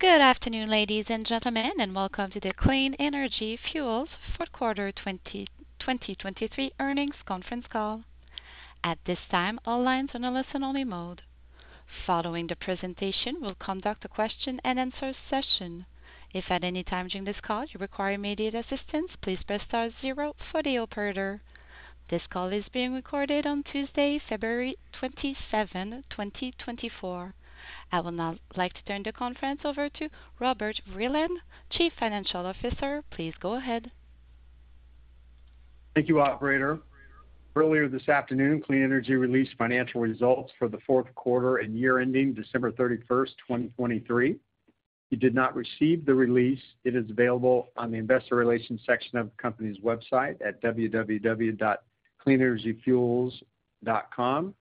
Good afternoon, ladies and gentlemen, and welcome to the Clean Energy Fuels Fourth Quarter 2023 earnings conference call. At this time, all lines are in a listen-only mode. Following the presentation, we'll conduct a question-and-answer session. If at any time during this call you require immediate assistance, please press star zero for the operator. This call is being recorded on Tuesday, February 27, 2024. I will now like to turn the conference over to Robert Vreeland, Chief Financial Officer. Please go ahead. Thank you, operator. Earlier this afternoon, Clean Energy released financial results for the fourth quarter and year-ending, December 31st, 2023. If you did not receive the release, it is available on the investor relations section of the company's website at www.cleanenergyfuels.com,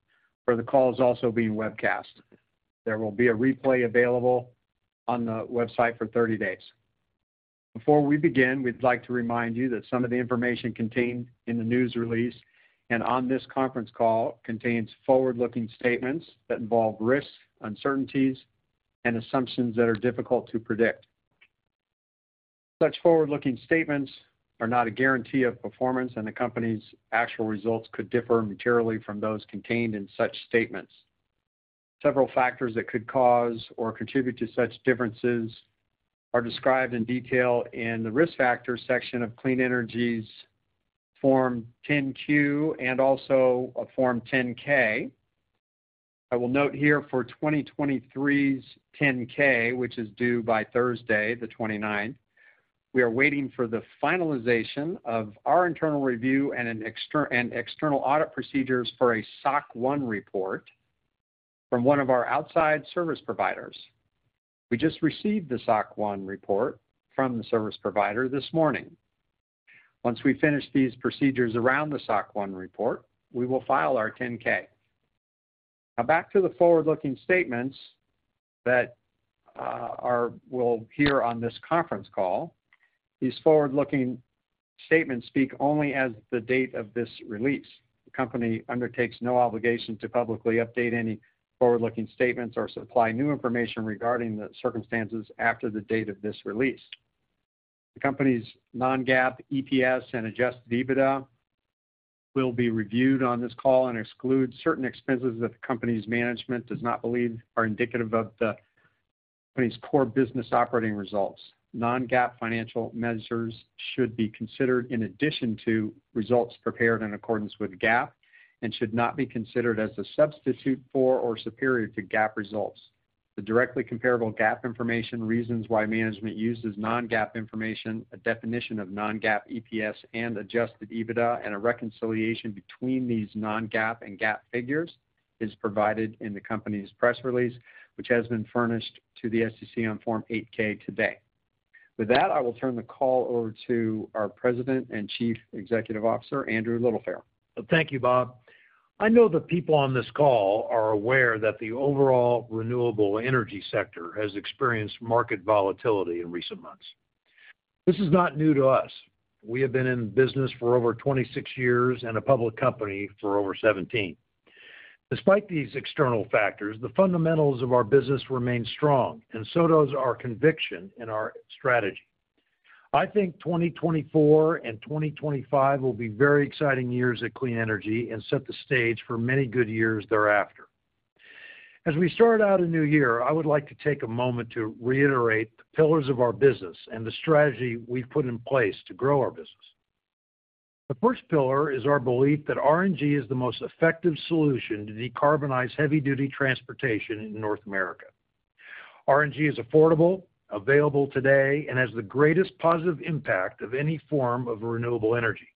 where the call is also being webcast. There will be a replay available on the website for 30 days. Before we begin, we'd like to remind you that some of the information contained in the news release and on this conference call contains forward-looking statements that involve risks, uncertainties, and assumptions that are difficult to predict. Such forward-looking statements are not a guarantee of performance, and the company's actual results could differ materially from those contained in such statements. Several factors that could cause or contribute to such differences are described in detail in the risk factors section of Clean Energy's Form 10-Q and also a Form 10-K. I will note here for 2023's 10-K, which is due by Thursday, the 29th, we are waiting for the finalization of our internal review and external audit procedures for a SOC 1 Report from one of our outside service providers. We just received the SOC 1 Report from the service provider this morning. Once we finish these procedures around the SOC 1 Report, we will file our 10-K. Now, back to the forward-looking statements that we'll hear on this conference call. These forward-looking statements speak only as the date of this release. The company undertakes no obligation to publicly update any forward-looking statements or supply new information regarding the circumstances after the date of this release. The company's non-GAAP EPS and Adjusted EBITDA will be reviewed on this call and exclude certain expenses that the company's management does not believe are indicative of the company's core business operating results. Non-GAAP financial measures should be considered in addition to results prepared in accordance with GAAP and should not be considered as a substitute for or superior to GAAP results. The directly comparable GAAP information, reasons why management uses non-GAAP information, a definition of non-GAAP EPS and Adjusted EBITDA, and a reconciliation between these non-GAAP and GAAP figures is provided in the company's press release, which has been furnished to the SEC on Form 8-K today. With that, I will turn the call over to our President and Chief Executive Officer, Andrew Littlefair. Thank you, Bob. I know that people on this call are aware that the overall renewable energy sector has experienced market volatility in recent months. This is not new to us. We have been in business for over 26 years and a public company for over 17. Despite these external factors, the fundamentals of our business remain strong, and so does our conviction in our strategy. I think 2024 and 2025 will be very exciting years at Clean Energy and set the stage for many good years thereafter. As we start out a new year, I would like to take a moment to reiterate the pillars of our business and the strategy we've put in place to grow our business. The first pillar is our belief that RNG is the most effective solution to decarbonize heavy-duty transportation in North America. RNG is affordable, available today, and has the greatest positive impact of any form of renewable energy.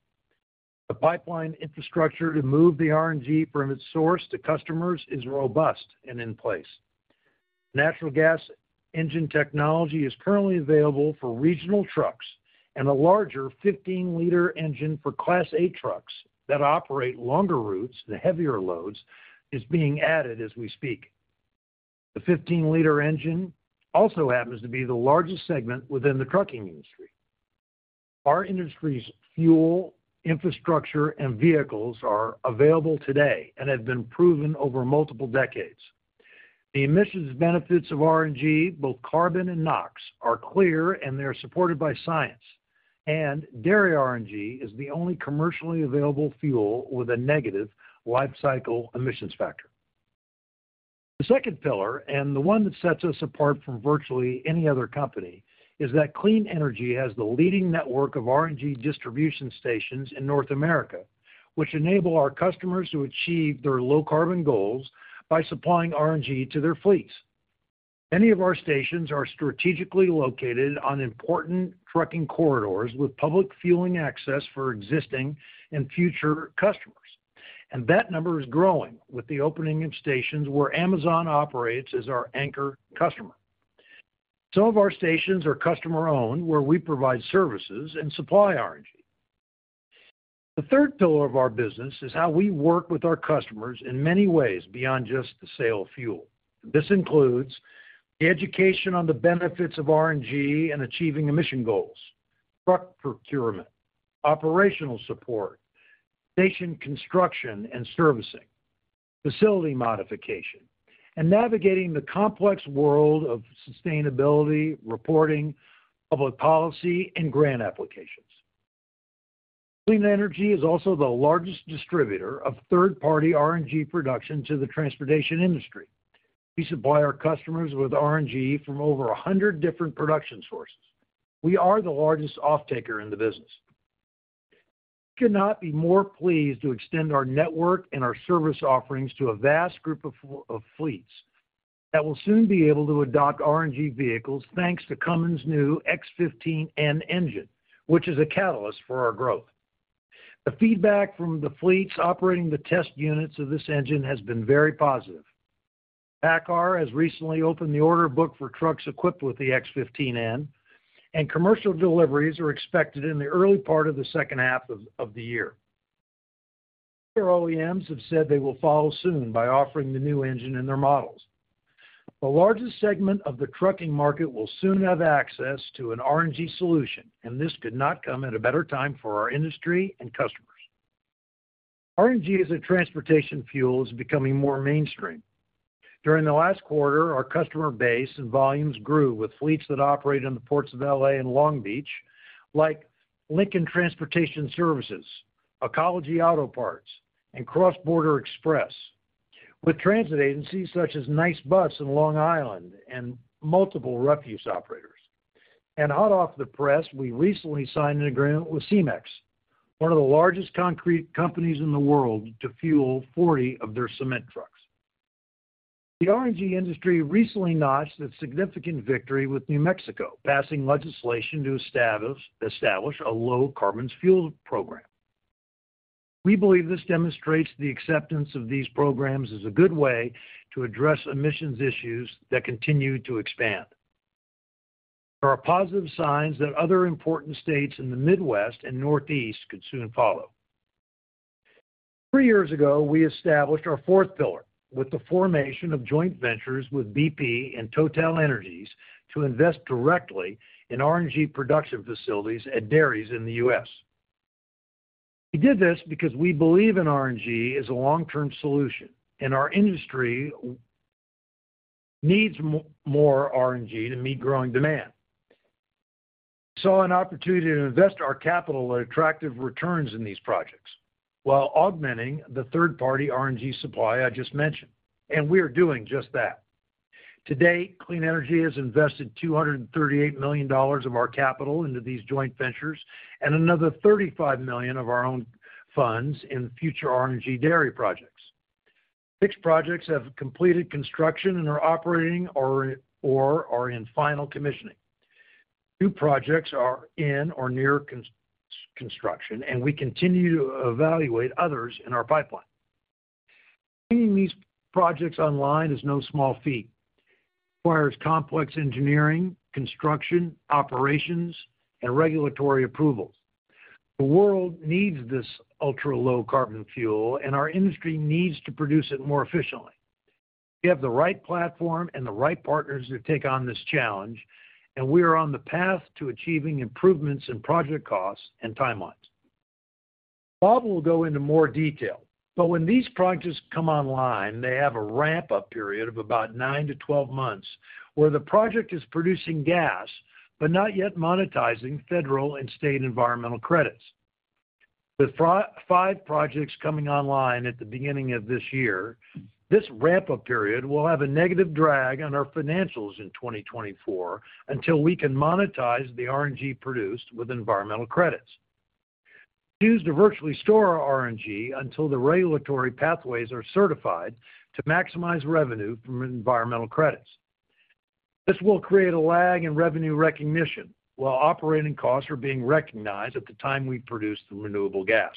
The pipeline infrastructure to move the RNG from its source to customers is robust and in place. Natural gas engine technology is currently available for regional trucks, and a larger 15L engine for Class 8 trucks that operate longer routes and heavier loads is being added as we speak. The 15-liter engine also happens to be the largest segment within the trucking industry. Our industry's fuel, infrastructure, and vehicles are available today and have been proven over multiple decades. The emissions benefits of RNG, both carbon and NOx, are clear, and they are supported by science. Dairy RNG is the only commercially available fuel with a negative life cycle emissions factor. The second pillar, and the one that sets us apart from virtually any other company, is that Clean Energy has the leading network of RNG distribution stations in North America, which enable our customers to achieve their low-carbon goals by supplying RNG to their fleets. Many of our stations are strategically located on important trucking corridors with public fueling access for existing and future customers, and that number is growing with the opening of stations where Amazon operates as our anchor customer. Some of our stations are customer-owned, where we provide services and supply RNG. The third pillar of our business is how we work with our customers in many ways beyond just the sale of fuel. This includes the education on the benefits of RNG and achieving emission goals, truck procurement, operational support, station construction and servicing, facility modification, and navigating the complex world of sustainability, reporting, public policy, and grant applications. Clean Energy is also the largest distributor of third-party RNG production to the transportation industry. We supply our customers with RNG from over 100 different production sources. We are the largest offtaker in the business. We could not be more pleased to extend our network and our service offerings to a vast group of fleets that will soon be able to adopt RNG vehicles thanks to Cummins' new X15N engine, which is a catalyst for our growth. The feedback from the fleets operating the test units of this engine has been very positive. PACCAR has recently opened the order book for trucks equipped with the X15N, and commercial deliveries are expected in the early part of the second half of the year. Other OEMs have said they will follow soon by offering the new engine in their models. The largest segment of the trucking market will soon have access to an RNG solution, and this could not come at a better time for our industry and customers. RNG as a transportation fuel is becoming more mainstream. During the last quarter, our customer base and volumes grew with fleets that operate in the ports of L.A. and Long Beach, like Lincoln Transportation Services, Ecology Auto Parts, and Cross Border Xpress, with transit agencies such as NICE Bus in Long Island and multiple refuse operators. And hot off the press, we recently signed an agreement with Cemex, one of the largest concrete companies in the world, to fuel 40 of their cement trucks. The RNG industry recently notched a significant victory with New Mexico, passing legislation to establish a low-carbon fuel program. We believe this demonstrates the acceptance of these programs as a good way to address emissions issues that continue to expand. There are positive signs that other important states in the Midwest and Northeast could soon follow. Three years ago, we established our fourth pillar with the formation of joint ventures with BP and TotalEnergies to invest directly in RNG production facilities at dairies in the U.S. We did this because we believe in RNG as a long-term solution, and our industry needs more RNG to meet growing demand. We saw an opportunity to invest our capital at attractive returns in these projects while augmenting the third-party RNG supply I just mentioned, and we are doing just that. Today, Clean Energy has invested $238 million of our capital into these joint ventures and another $35 million of our own funds in future RNG dairy projects. Six projects have completed construction and are operating or are in final commissioning. Two projects are in or near construction, and we continue to evaluate others in our pipeline. Bringing these projects online is no small feat. It requires complex engineering, construction, operations, and regulatory approvals. The world needs this ultra-low-carbon fuel, and our industry needs to produce it more efficiently. We have the right platform and the right partners to take on this challenge, and we are on the path to achieving improvements in project costs and timelines. Bob will go into more detail, but when these projects come online, they have a ramp-up period of about 9-12 months where the project is producing gas but not yet monetizing federal and state environmental credits. With 5 projects coming online at the beginning of this year, this ramp-up period will have a negative drag on our financials in 2024 until we can monetize the RNG produced with environmental credits. We choose to virtually store our RNG until the regulatory pathways are certified to maximize revenue from environmental credits. This will create a lag in revenue recognition while operating costs are being recognized at the time we produce the renewable gas.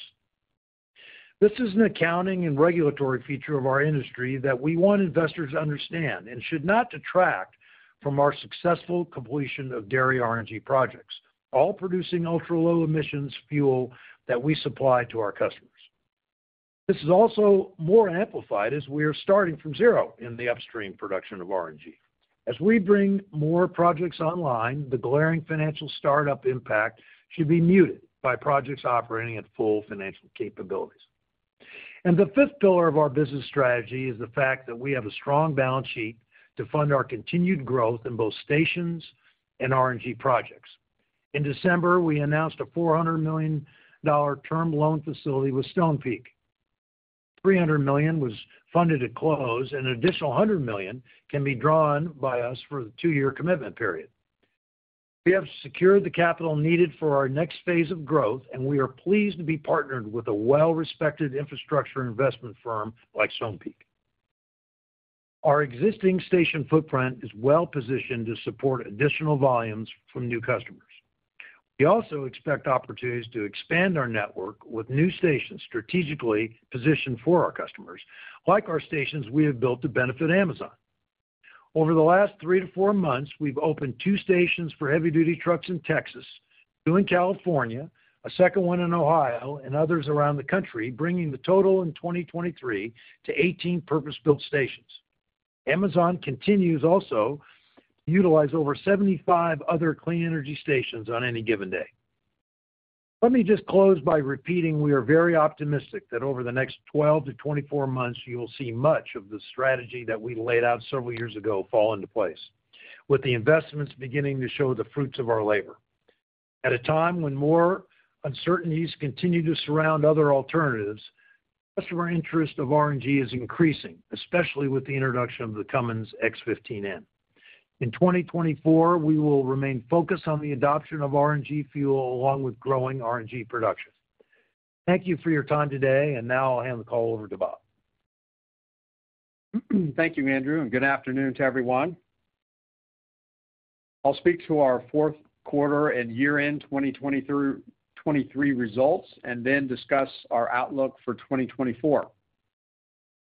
This is an accounting and regulatory feature of our industry that we want investors to understand and should not detract from our successful completion of dairy RNG projects, all producing ultra-low-emissions fuel that we supply to our customers. This is also more amplified as we are starting from zero in the upstream production of RNG. As we bring more projects online, the glaring financial startup impact should be muted by projects operating at full financial capabilities. And the fifth pillar of our business strategy is the fact that we have a strong balance sheet to fund our continued growth in both stations and RNG projects. In December, we announced a $400 million term loan facility with Stonepeak. $300 million was funded to close, and an additional $100 million can be drawn by us for the two-year commitment period. We have secured the capital needed for our next phase of growth, and we are pleased to be partnered with a well-respected infrastructure investment firm like Stonepeak. Our existing station footprint is well-positioned to support additional volumes from new customers. We also expect opportunities to expand our network with new stations strategically positioned for our customers, like our stations we have built to benefit Amazon. Over the last 3-4 months, we've opened 2 stations for heavy-duty trucks in Texas, 2 in California, a second one in Ohio, and others around the country, bringing the total in 2023 to 18 purpose-built stations. Amazon continues also to utilize over 75 other Clean Energy stations on any given day. Let me just close by repeating we are very optimistic that over the next 12-24 months, you will see much of the strategy that we laid out several years ago fall into place, with the investments beginning to show the fruits of our labor. At a time when more uncertainties continue to surround other alternatives, customer interest of RNG is increasing, especially with the introduction of the Cummins X15N. In 2024, we will remain focused on the adoption of RNG fuel along with growing RNG production. Thank you for your time today, and now I'll hand the call over to Robert. Thank you, Andrew, and good afternoon to everyone. I'll speak to our fourth quarter and year-end 2023 results and then discuss our outlook for 2024.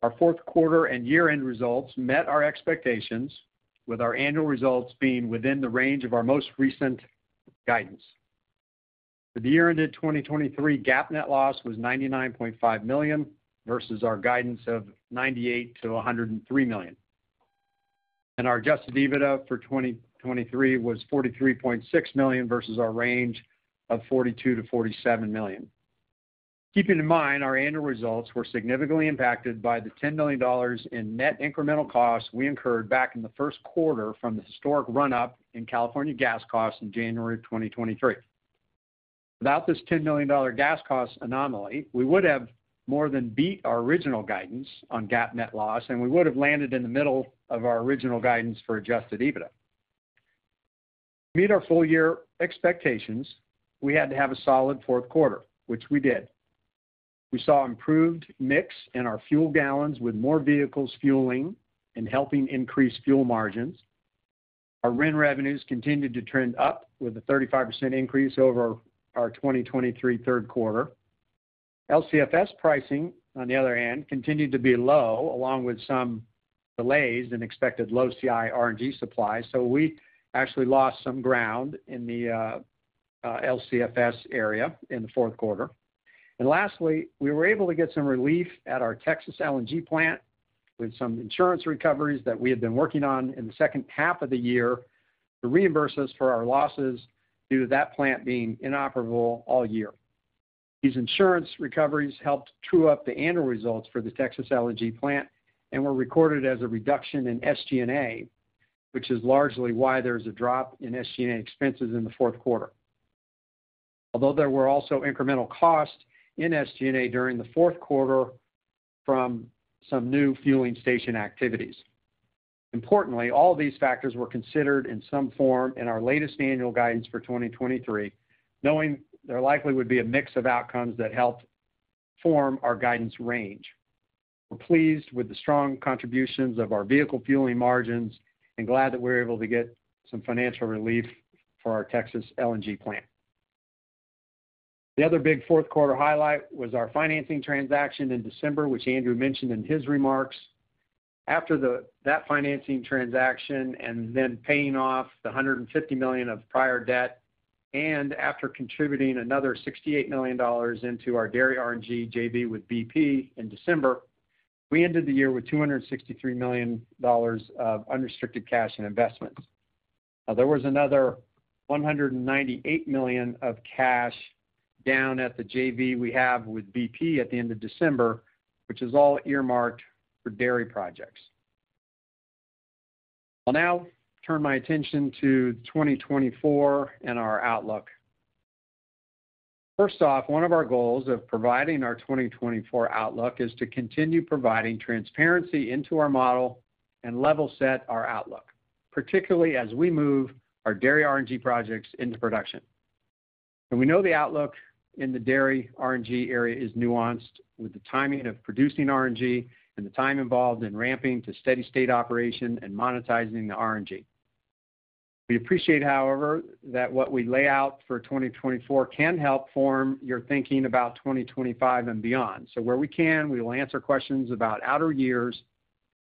Our fourth quarter and year-end results met our expectations, with our annual results being within the range of our most recent guidance. For the year-ended 2023, GAAP net loss was $99.5 million versus our guidance of $98 million-$103 million. Our Adjusted EBITDA for 2023 was $43.6 million versus our range of $42 million-$47 million. Keeping in mind, our annual results were significantly impacted by the $10 million in net incremental costs we incurred back in the first quarter from the historic run-up in California gas costs in January of 2023. Without this $10 million gas cost anomaly, we would have more than beat our original guidance on GAAP net loss, and we would have landed in the middle of our original guidance for adjusted EBITDA. To meet our full-year expectations, we had to have a solid fourth quarter, which we did. We saw improved mix in our fuel gallons with more vehicles fueling and helping increase fuel margins. Our RIN revenues continued to trend up with a 35% increase over our 2023 third quarter. LCFS pricing, on the other hand, continued to be low along with some delays in expected low-CI RNG supply, so we actually lost some ground in the LCFS area in the fourth quarter. And lastly, we were able to get some relief at our Texas LNG plant with some insurance recoveries that we had been working on in the second half of the year to reimburse us for our losses due to that plant being inoperable all year. These insurance recoveries helped true up the annual results for the Texas LNG plant and were recorded as a reduction in SG&A, which is largely why there's a drop in SG&A expenses in the fourth quarter, although there were also incremental costs in SG&A during the fourth quarter from some new fueling station activities. Importantly, all of these factors were considered in some form in our latest annual guidance for 2023, knowing there likely would be a mix of outcomes that helped form our guidance range. We're pleased with the strong contributions of our vehicle fueling margins and glad that we're able to get some financial relief for our Texas LNG plant. The other big fourth-quarter highlight was our financing transaction in December, which Andrew mentioned in his remarks. After that financing transaction and then paying off the $150 million of prior debt and after contributing another $68 million into our dairy RNG JV with BP in December, we ended the year with $263 million of unrestricted cash and investments. Now, there was another $198 million of cash down at the JV we have with BP at the end of December, which is all earmarked for dairy projects. I'll now turn my attention to 2024 and our outlook. First off, one of our goals of providing our 2024 outlook is to continue providing transparency into our model and level set our outlook, particularly as we move our dairy RNG projects into production. We know the outlook in the dairy RNG area is nuanced with the timing of producing RNG and the time involved in ramping to steady state operation and monetizing the RNG. We appreciate, however, that what we lay out for 2024 can help form your thinking about 2025 and beyond. Where we can, we will answer questions about outer years,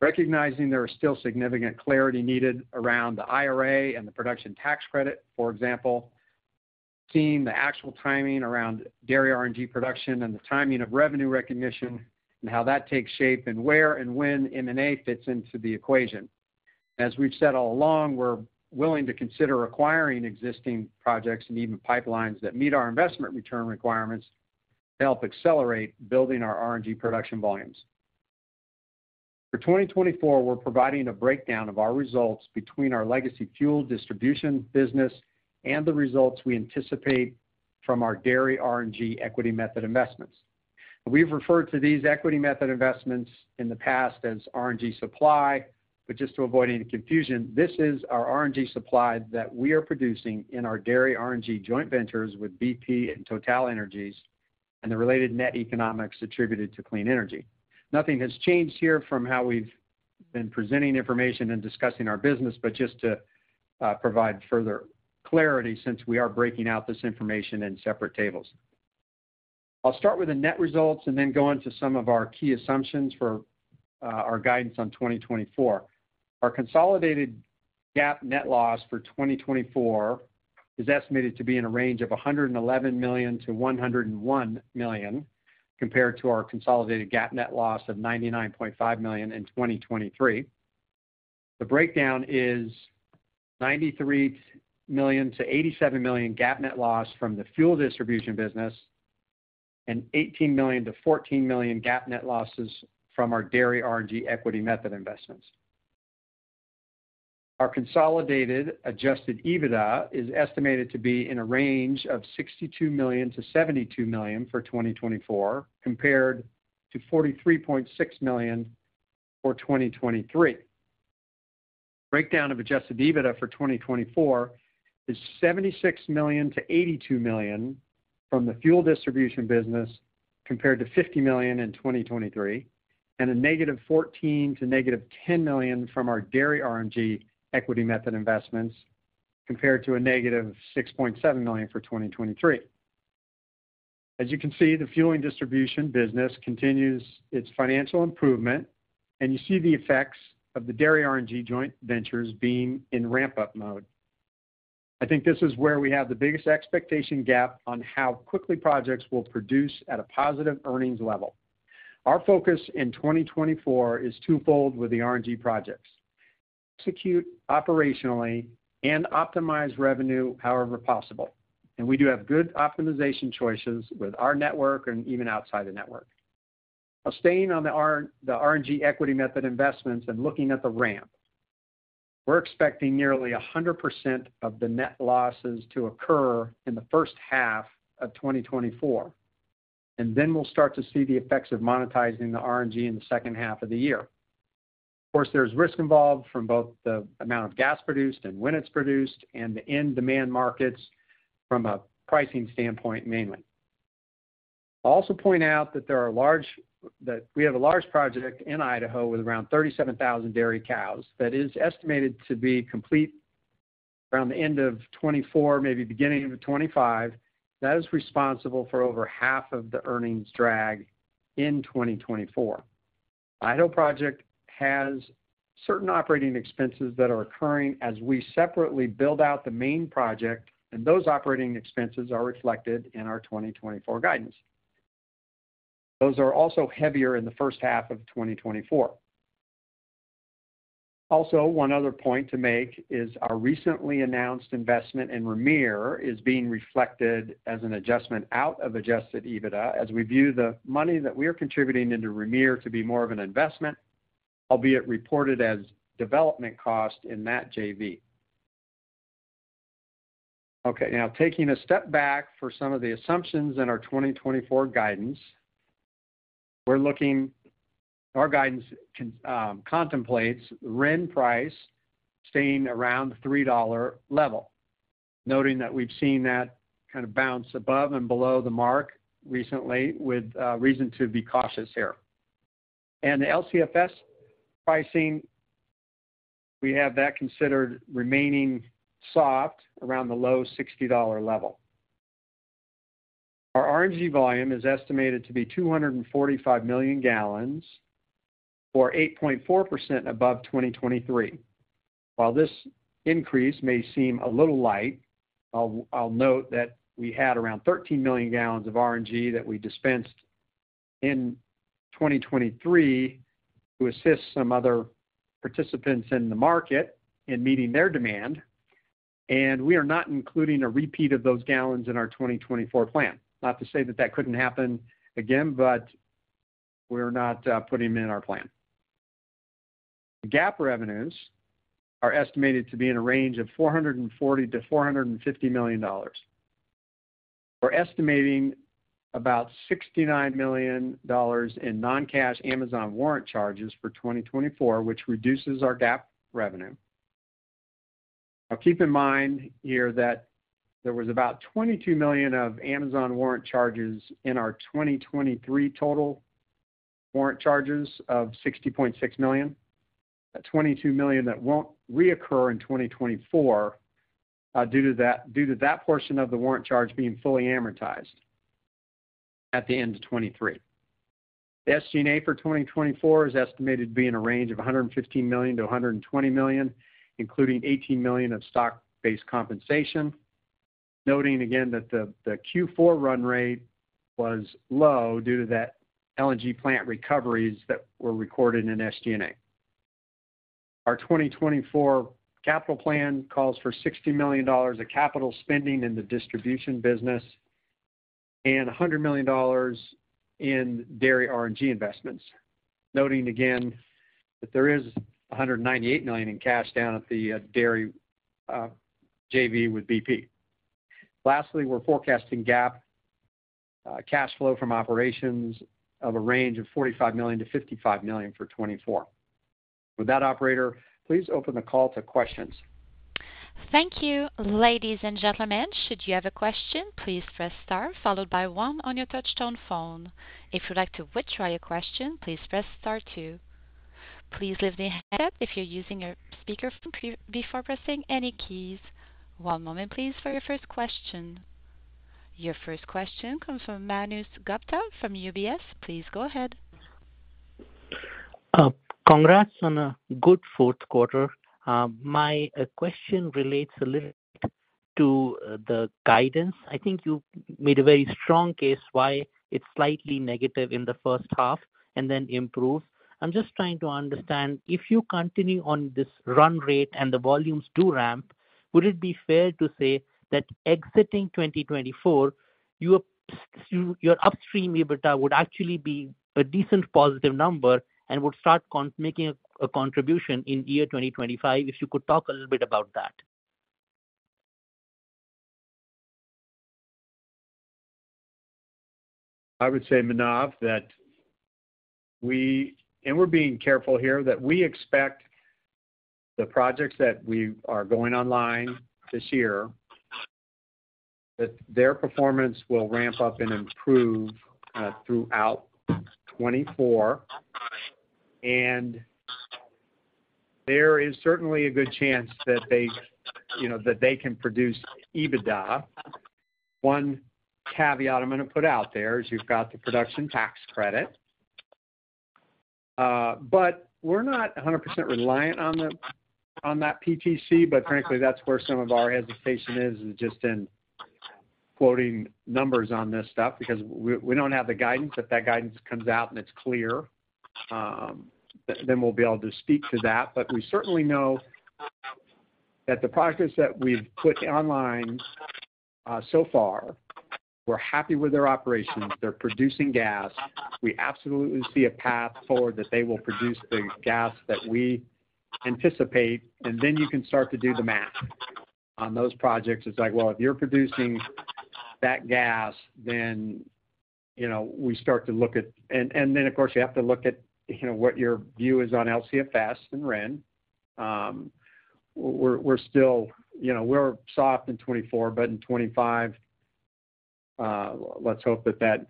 recognizing there is still significant clarity needed around the IRA and the Production Tax Credit, for example, seeing the actual timing around dairy RNG production and the timing of revenue recognition and how that takes shape and where and when M&A fits into the equation. As we've said all along, we're willing to consider acquiring existing projects and even pipelines that meet our investment return requirements to help accelerate building our RNG production volumes. For 2024, we're providing a breakdown of our results between our legacy fuel distribution business and the results we anticipate from our dairy RNG equity method investments. We've referred to these equity method investments in the past as RNG supply, but just to avoid any confusion, this is our RNG supply that we are producing in our dairy RNG joint ventures with BP and TotalEnergies and the related net economics attributed to Clean Energy. Nothing has changed here from how we've been presenting information and discussing our business, but just to provide further clarity since we are breaking out this information in separate tables. I'll start with the net results and then go into some of our key assumptions for our guidance on 2024. Our consolidated GAAP net loss for 2024 is estimated to be in a range of $111 million-$101 million compared to our consolidated GAAP net loss of $99.5 million in 2023. The breakdown is $93 million-$87 million GAAP net loss from the fuel distribution business and $18 million-$14 million GAAP net losses from our dairy RNG equity method investments. Our consolidated adjusted EBITDA is estimated to be in a range of $62 million-$72 million for 2024 compared to $43.6 million for 2023. The breakdown of Adjusted EBITDA for 2024 is $76 million-$82 million from the fuel distribution business compared to $50 million in 2023 and -$14 million to -$10 million from our dairy RNG equity method investments compared to -$6.7 million for 2023. As you can see, the fueling distribution business continues its financial improvement, and you see the effects of the dairy RNG joint ventures being in ramp-up mode. I think this is where we have the biggest expectation gap on how quickly projects will produce at a positive earnings level. Our focus in 2024 is twofold with the RNG projects: execute operationally and optimize revenue however possible. And we do have good optimization choices with our network and even outside the network. I'll stay on the RNG equity method investments and looking at the ramp. We're expecting nearly 100% of the net losses to occur in the first half of 2024, and then we'll start to see the effects of monetizing the RNG in the second half of the year. Of course, there's risk involved from both the amount of gas produced and when it's produced and the end demand markets from a pricing standpoint mainly. I'll also point out that we have a large project in Idaho with around 37,000 dairy cows that is estimated to be complete around the end of 2024, maybe beginning of 2025. That is responsible for over half of the earnings drag in 2024. The Idaho project has certain operating expenses that are occurring as we separately build out the main project, and those operating expenses are reflected in our 2024 guidance. Those are also heavier in the first half of 2024. Also, one other point to make is our recently announced investment in Rimere is being reflected as an adjustment out of Adjusted EBITDA as we view the money that we are contributing into Rimere to be more of an investment, albeit reported as development cost in that JV. Okay, now taking a step back for some of the assumptions in our 2024 guidance, we're looking our guidance contemplates RIN price staying around the $3 level, noting that we've seen that kind of bounce above and below the mark recently with reason to be cautious here. And the LCFS pricing, we have that considered remaining soft around the low $60 level. Our RNG volume is estimated to be 245 million gallons or 8.4% above 2023. While this increase may seem a little light, I'll note that we had around 13 million gallons of RNG that we dispensed in 2023 to assist some other participants in the market in meeting their demand. We are not including a repeat of those gallons in our 2024 plan. Not to say that that couldn't happen again, but we're not putting them in our plan. The GAAP revenues are estimated to be in a range of $440 million-$450 million. We're estimating about $69 million in non-cash Amazon warrant charges for 2024, which reduces our GAAP revenue. Now, keep in mind here that there was about $22 million of Amazon warrant charges in our 2023 total warrant charges of $60.6 million. That $22 million that won't reoccur in 2024 due to that portion of the warrant charge being fully amortized at the end of 2023. The SG&A for 2024 is estimated to be in a range of $115 million-$120 million, including $18 million of stock-based compensation, noting again that the Q4 run rate was low due to that LNG plant recoveries that were recorded in SG&A. Our 2024 capital plan calls for $60 million of capital spending in the distribution business and $100 million in dairy RNG investments, noting again that there is $198 million in cash down at the dairy JV with BP. Lastly, we're forecasting GAAP cash flow from operations of a range of $45 million-$55 million for 2024. With that, operator, please open the call to questions. Thank you, ladies and gentlemen. Should you have a question, please press star followed by one on your touch-tone phone. If you'd like to withdraw your question, please press star two. Please leave the handset if you're using your speakerphone before pressing any keys. One moment, please, for your first question. Your first question comes from Manav Gupta from UBS. Please go ahead. Congrats on a good fourth quarter. My question relates a little bit to the guidance. I think you made a very strong case why it's slightly negative in the first half and then improves. I'm just trying to understand, if you continue on this run rate and the volumes do ramp, would it be fair to say that exiting 2024, your upstream EBITDA would actually be a decent positive number and would start making a contribution in year 2025 if you could talk a little bit about that? I would say, Manav, that we and we're being careful here that we expect the projects that are going online this year, that their performance will ramp up and improve throughout 2024. There is certainly a good chance that they can produce EBITDA. One caveat I'm going to put out there is you've got the production tax credit. But we're not 100% reliant on that PTC, but frankly, that's where some of our hesitation is, is just in quoting numbers on this stuff because we don't have the guidance. If that guidance comes out and it's clear, then we'll be able to speak to that. But we certainly know that the projects that we've put online so far, we're happy with their operations. They're producing gas. We absolutely see a path forward that they will produce the gas that we anticipate. And then you can start to do the math on those projects. It's like, "Well, if you're producing that gas, then we start to look at" and then, of course, you have to look at what your view is on LCFS and RIN. We're soft in 2024, but in 2025, let's hope that that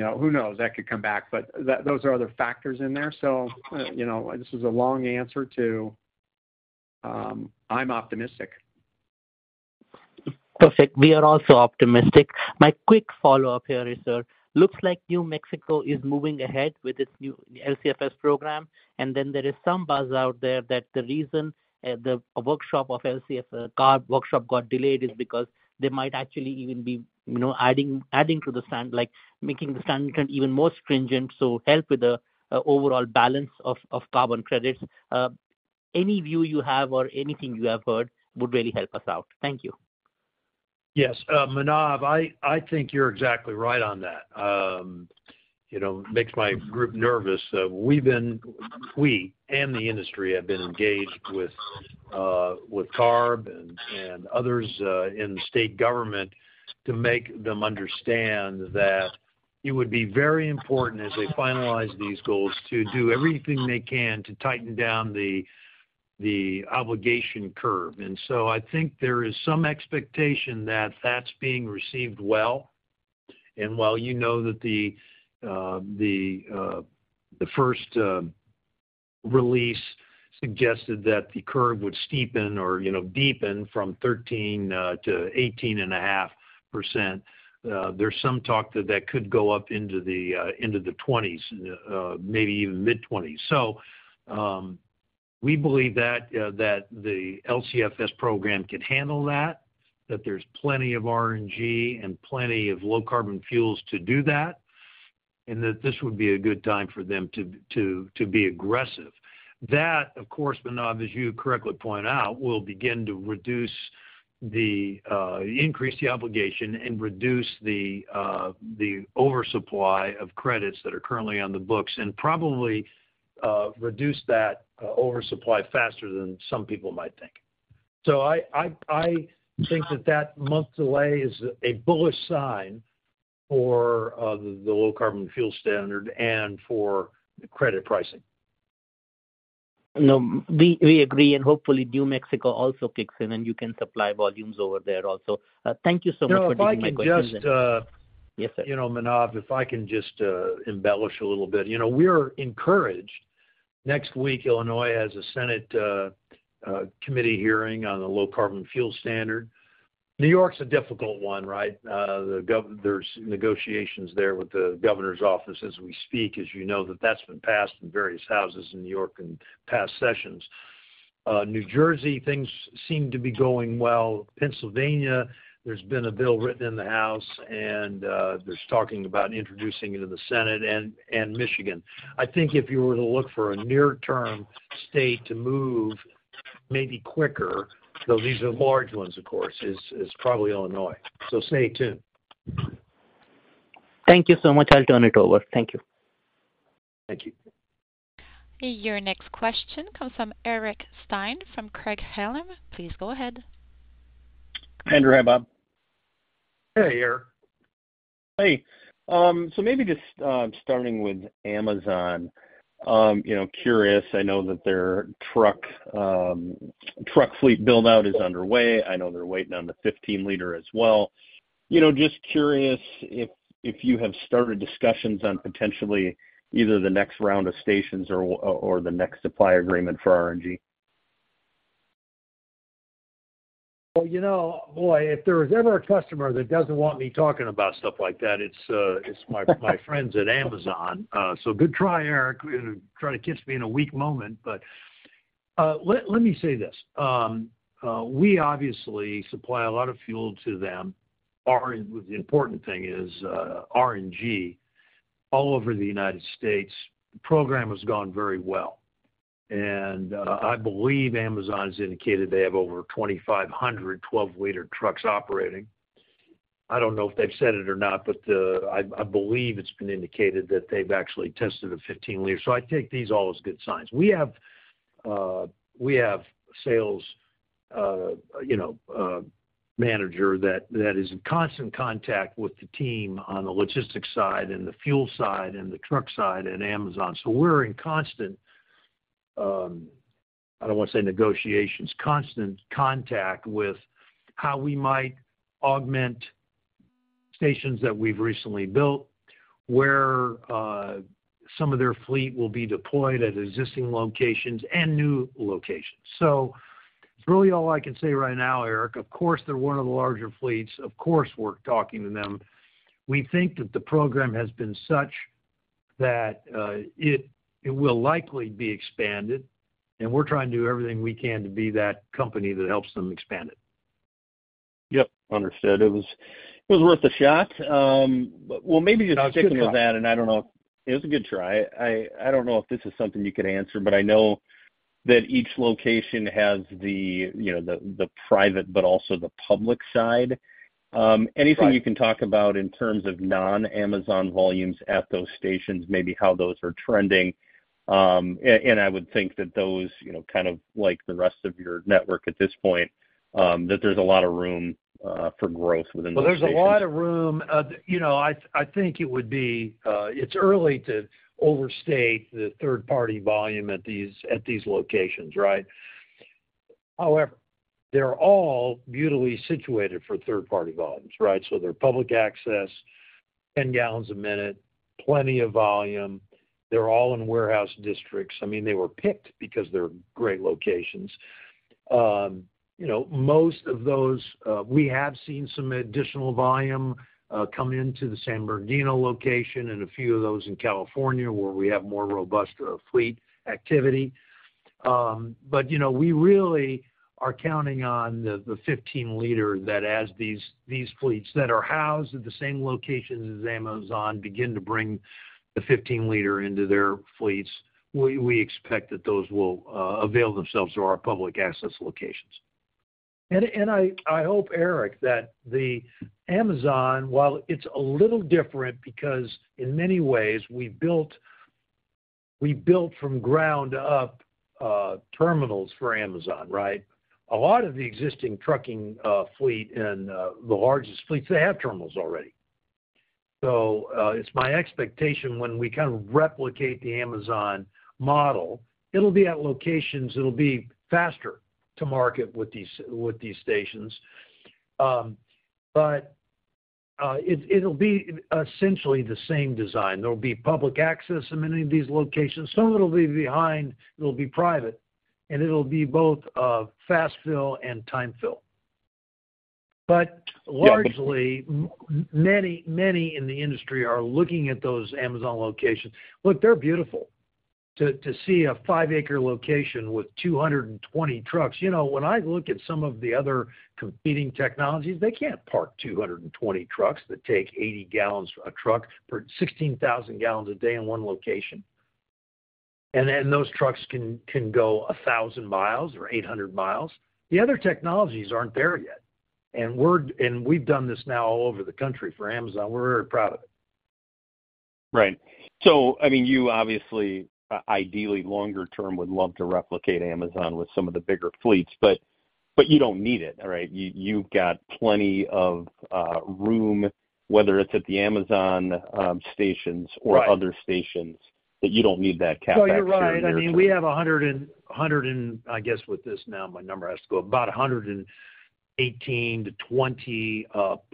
who knows, that could come back. But those are other factors in there. So this is a long answer to I'm optimistic. Perfect. We are also optimistic. My quick follow-up here is, sir, looks like New Mexico is moving ahead with its new LCFS program. And then there is some buzz out there that the reason an LCFS CARB workshop got delayed is because they might actually even be adding to the standard, making the standard even more stringent to help with the overall balance of carbon credits. Any view you have or anything you have heard would really help us out. Thank you. Yes, Manav, I think you're exactly right on that. It makes my group nervous. We and the industry have been engaged with CARB and others in the state government to make them understand that it would be very important as they finalize these goals to do everything they can to tighten down the obligation curve. And so I think there is some expectation that that's being received well. And while you know that the first release suggested that the curve would steepen or deepen from 13%-18.5%, there's some talk that that could go up into the 20%, maybe even mid-20%. So we believe that the LCFS program can handle that, that there's plenty of RNG and plenty of low-carbon fuels to do that, and that this would be a good time for them to be aggressive. That, of course, Manav, as you correctly point out, will begin to reduce the increase the obligation and reduce the oversupply of credits that are currently on the books and probably reduce that oversupply faster than some people might think. So I think that that month's delay is a bullish sign for the Low Carbon Fuel Standard and for credit pricing. No, we agree. Hopefully, New Mexico also kicks in and you can supply volumes over there also. Thank you so much for taking my questions. If I can just Manav, if I can just embellish a little bit. We are encouraged. Next week, Illinois has a Senate committee hearing on the low-carbon fuel standard. New York's a difficult one, right? There's negotiations there with the governor's office. As we speak, as you know, that that's been passed in various houses in New York in past sessions. New Jersey, things seem to be going well. Pennsylvania, there's been a bill written in the house, and there's talking about introducing it in the Senate. And Michigan, I think if you were to look for a near-term state to move maybe quicker, though these are large ones, of course, is probably Illinois. So stay tuned. Thank you so much. I'll turn it over. Thank you. Thank you. Your next question comes from Eric Stine from Craig-Hallum. Please go ahead. Hey, Andrew. Hi, Bob. Hey, Eric. Hey. So maybe just starting with Amazon, curious. I know that their truck fleet build-out is underway. I know they're waiting on the 15-liter as well. Just curious if you have started discussions on potentially either the next round of stations or the next supply agreement for RNG. Well, boy, if there was ever a customer that doesn't want me talking about stuff like that, it's my friends at Amazon. So good try, Eric. Try to catch me in a weak moment. But let me say this. We obviously supply a lot of fuel to them. The important thing is RNG all over the United States, the program has gone very well. And I believe Amazon has indicated they have over 2,500 12L trucks operating. I don't know if they've said it or not, but I believe it's been indicated that they've actually tested a 15L. So I take these all as good signs. We have a sales manager that is in constant contact with the team on the logistics side and the fuel side and the truck side at Amazon. So we're in constant—I don't want to say negotiations—constant contact with how we might augment stations that we've recently built, where some of their fleet will be deployed at existing locations and new locations. So it's really all I can say right now, Eric. Of course, they're one of the larger fleets. Of course, we're talking to them. We think that the program has been such that it will likely be expanded. And we're trying to do everything we can to be that company that helps them expand it. Yep, understood. It was worth a shot. Well, maybe just sticking with that. I don't know, it was a good try. I don't know if this is something you could answer, but I know that each location has the private, but also the public side. Anything you can talk about in terms of non-Amazon volumes at those stations, maybe how those are trending? I would think that those, kind of like the rest of your network at this point, that there's a lot of room for growth within those stations. Well, there's a lot of room. I think it would be it's early to overstate the third-party volume at these locations, right? However, they're all beautifully situated for third-party volumes, right? So they're public access, 10 gallons a minute, plenty of volume. They're all in warehouse districts. I mean, they were picked because they're great locations. Most of those we have seen some additional volume come into the San Bernardino location and a few of those in California where we have more robust fleet activity. But we really are counting on the 15L that as these fleets that are housed at the same locations as Amazon begin to bring the 15L into their fleets, we expect that those will avail themselves to our public access locations. I hope, Eric, that the Amazon while it's a little different because in many ways, we built from ground up terminals for Amazon, right? A lot of the existing trucking fleet and the largest fleets, they have terminals already. So it's my expectation when we kind of replicate the Amazon model, it'll be at locations it'll be faster to market with these stations. But it'll be essentially the same design. There'll be public access in many of these locations. Some of it'll be behind it'll be private. And it'll be both fast fill and time fill. But largely, many in the industry are looking at those Amazon locations. Look, they're beautiful to see a five-acre location with 220 trucks. When I look at some of the other competing technologies, they can't park 220 trucks that take 80 gallons a truck, 16,000 gallons a day in one location. And then those trucks can go 1,000 mi or 800 mi. The other technologies aren't there yet. And we've done this now all over the country for Amazon. We're very proud of it. Right. So I mean, you obviously, ideally, longer term, would love to replicate Amazon with some of the bigger fleets. But you don't need it, right? You've got plenty of room, whether it's at the Amazon stations or other stations, that you don't need that capacity right now. No, you're right. I mean, we have 100 and I guess with this now, my number has to go about 118-120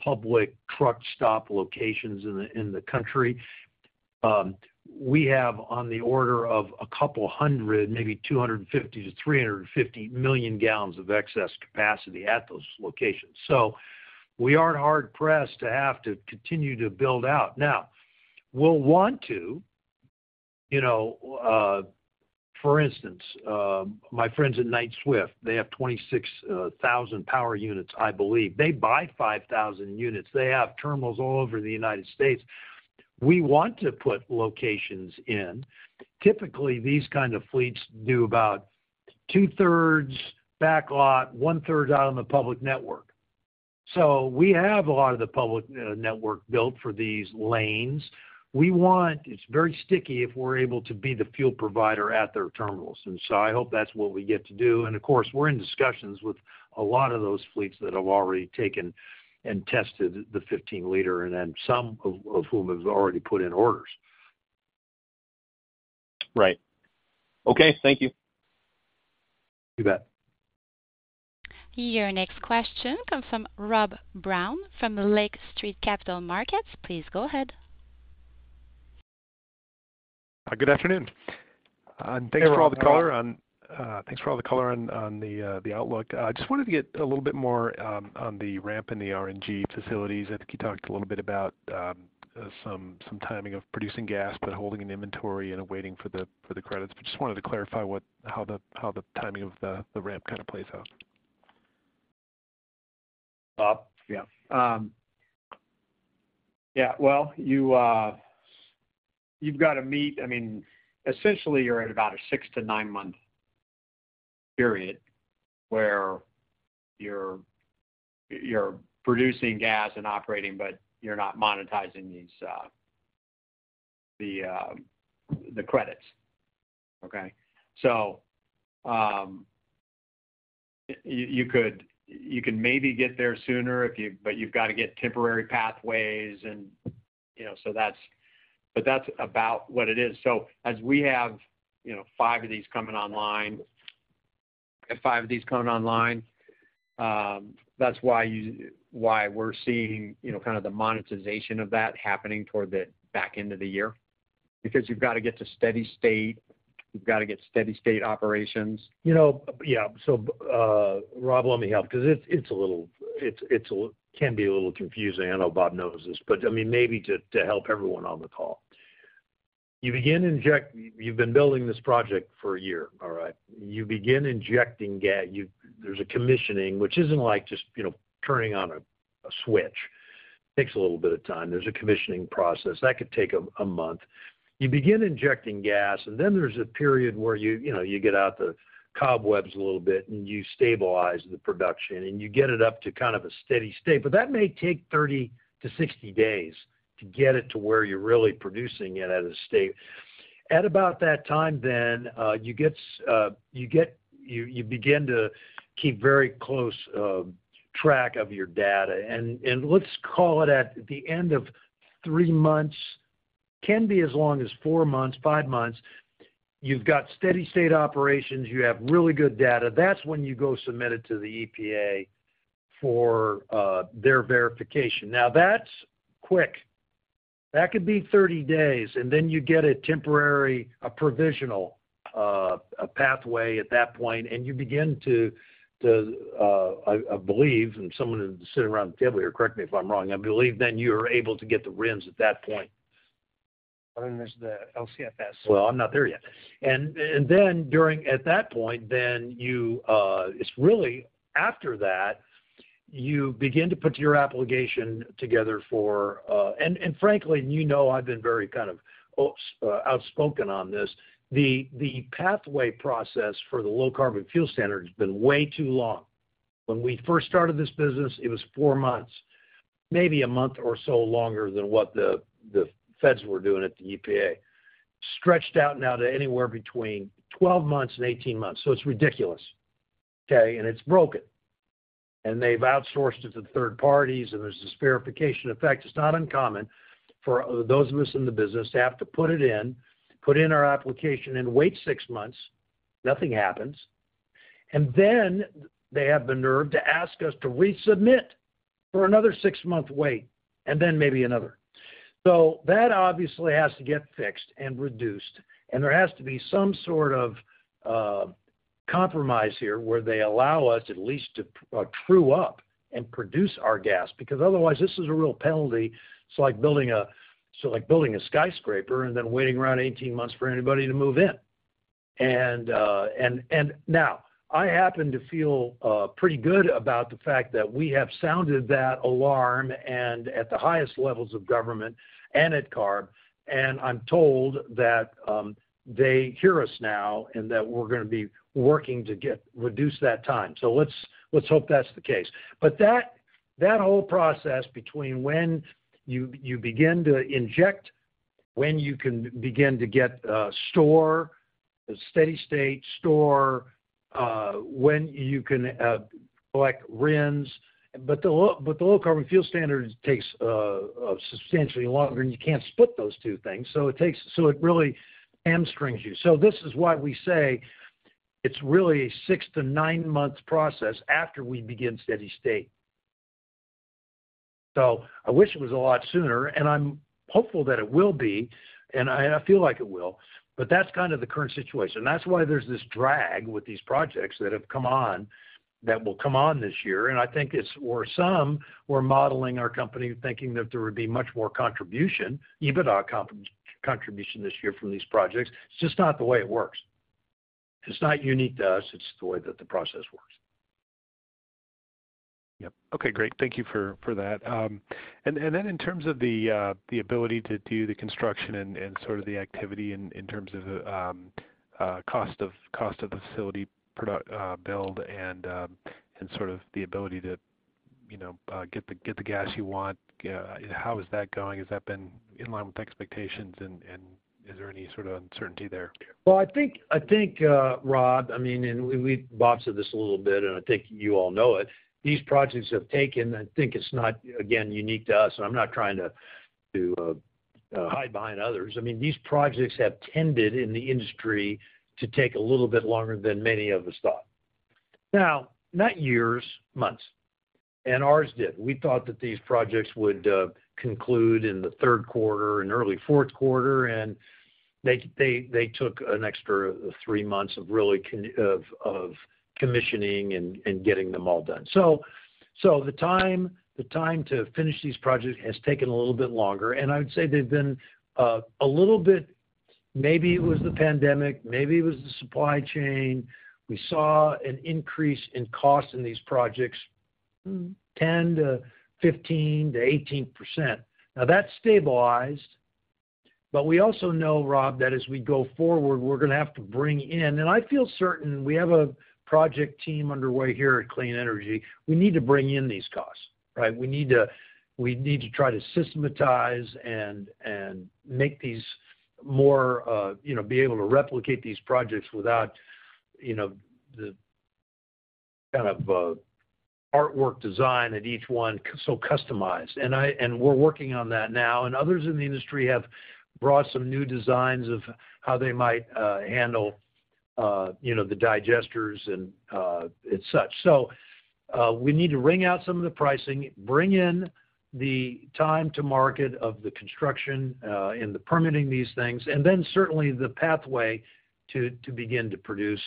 public truck stop locations in the country. We have on the order of a couple hundred, maybe 250 million-350 million gallons of excess capacity at those locations. So we aren't hard-pressed to have to continue to build out. Now, we'll want to, for instance, my friends at Knight-Swift, they have 26,000 power units, I believe. They buy 5,000 units. They have terminals all over the United States. We want to put locations in. Typically, these kind of fleets do about two-thirds backlot, one-third out on the public network. So we have a lot of the public network built for these lanes. It's very sticky if we're able to be the fuel provider at their terminals. And so I hope that's what we get to do. Of course, we're in discussions with a lot of those fleets that have already taken and tested the 15-liter, and then some of whom have already put in orders. Right. Okay. Thank you. You bet. Your next question comes from Rob Brown from Lake Street Capital Markets. Please go ahead. Good afternoon. Thanks for all the color. Thanks for all the color on the outlook. I just wanted to get a little bit more on the ramp and the RNG facilities. I think you talked a little bit about some timing of producing gas but holding an inventory and waiting for the credits. But just wanted to clarify how the timing of the ramp kind of plays out. Bob, yeah. Yeah, well, you've got to meet, I mean, essentially, you're at about a six to nine month period where you're producing gas and operating, but you're not monetizing the credits, okay? So you can maybe get there sooner, but you've got to get temporary pathways. And so that's about what it is. So as we have five of these coming online five of these coming online, that's why we're seeing kind of the monetization of that happening toward the back end of the year because you've got to get to steady state. You've got to get steady state operations. Yeah. So Rob, let me help because it can be a little confusing. I know Bob knows this. But I mean, maybe to help everyone on the call. You begin injecting. You've been building this project for a year, all right? You begin injecting gas. There's a commissioning, which isn't like just turning on a switch. It takes a little bit of time. There's a commissioning process. That could take a month. You begin injecting gas, and then there's a period where you get out the cobwebs a little bit, and you stabilize the production, and you get it up to kind of a steady state. But that may take 30-60 days to get it to where you're really producing it at a state. At about that time then, you begin to keep very close track of your data. And let's call it at the end of 3 months can be as long as 4 months, 5 months. You've got steady state operations. You have really good data. That's when you go submit it to the EPA for their verification. Now, that's quick. That could be 30 days. And then you get a provisional pathway at that point. And you begin to, I believe, and someone is sitting around the table here. Correct me if I'm wrong. I believe then you are able to get the RINs at that point. I mean, there's the LCFS. Well, I'm not there yet. And then at that point, then it's really after that, you begin to put your application together for and frankly, and you know I've been very kind of outspoken on this, the pathway process for the Low Carbon Fuel Standard has been way too long. When we first started this business, it was four months, maybe a month or so longer than what the feds were doing at the EPA, stretched out now to anywhere between 12 months and 18 months. So it's ridiculous, okay? And it's broken. And they've outsourced it to third parties. And there's this verification effect. It's not uncommon for those of us in the business to have to put it in, put in our application, and wait six months. Nothing happens. And then they have the nerve to ask us to resubmit for another six-month wait and then maybe another. So that obviously has to get fixed and reduced. And there has to be some sort of compromise here where they allow us at least to true up and produce our gas because otherwise, this is a real penalty. It's like building a skyscraper and then waiting around 18 months for anybody to move in. And now, I happen to feel pretty good about the fact that we have sounded that alarm at the highest levels of government and at CARB. And I'm told that they hear us now and that we're going to be working to reduce that time. So let's hope that's the case. But that whole process between when you begin to inject, when you can begin to store steady state, store when you can collect RINs but the Low Carbon Fuel Standard takes substantially longer. And you can't split those two things. So it really hamstrings you. So this is why we say it's really a six to nine month process after we begin steady state. So I wish it was a lot sooner. And I'm hopeful that it will be. And I feel like it will. But that's kind of the current situation. And that's why there's this drag with these projects that have come on that will come on this year. And I think it's or some were modeling our company thinking that there would be much more contribution, EBITDA contribution this year from these projects. It's just not the way it works. It's not unique to us. It's the way that the process works. Yep. Okay. Great. Thank you for that. And then in terms of the ability to do the construction and sort of the activity in terms of the cost of the facility build and sort of the ability to get the gas you want, how is that going? Has that been in line with expectations? And is there any sort of uncertainty there? Well, I think, Rob, I mean, and Bob said this a little bit. And I think you all know it. These projects have taken, I think it's not, again, unique to us. And I'm not trying to hide behind others. I mean, these projects have tended in the industry to take a little bit longer than many of us thought. Now, not years, months. And ours did. We thought that these projects would conclude in the third quarter, in early fourth quarter. And they took an extra 3 months of really commissioning and getting them all done. So the time to finish these projects has taken a little bit longer. And I would say they've been a little bit, maybe it was the pandemic. Maybe it was the supply chain. We saw an increase in cost in these projects, 10% to 15% to 18%. Now, that stabilized. But we also know, Rob, that as we go forward, we're going to have to bring in and I feel certain we have a project team underway here at Clean Energy. We need to bring in these costs, right? We need to try to systematize and make these more be able to replicate these projects without the kind of artwork design at each one so customized. And we're working on that now. And others in the industry have brought some new designs of how they might handle the digesters and etc. So we need to wring out some of the pricing, bring in the time to market of the construction and the permitting these things, and then certainly the pathway to begin to produce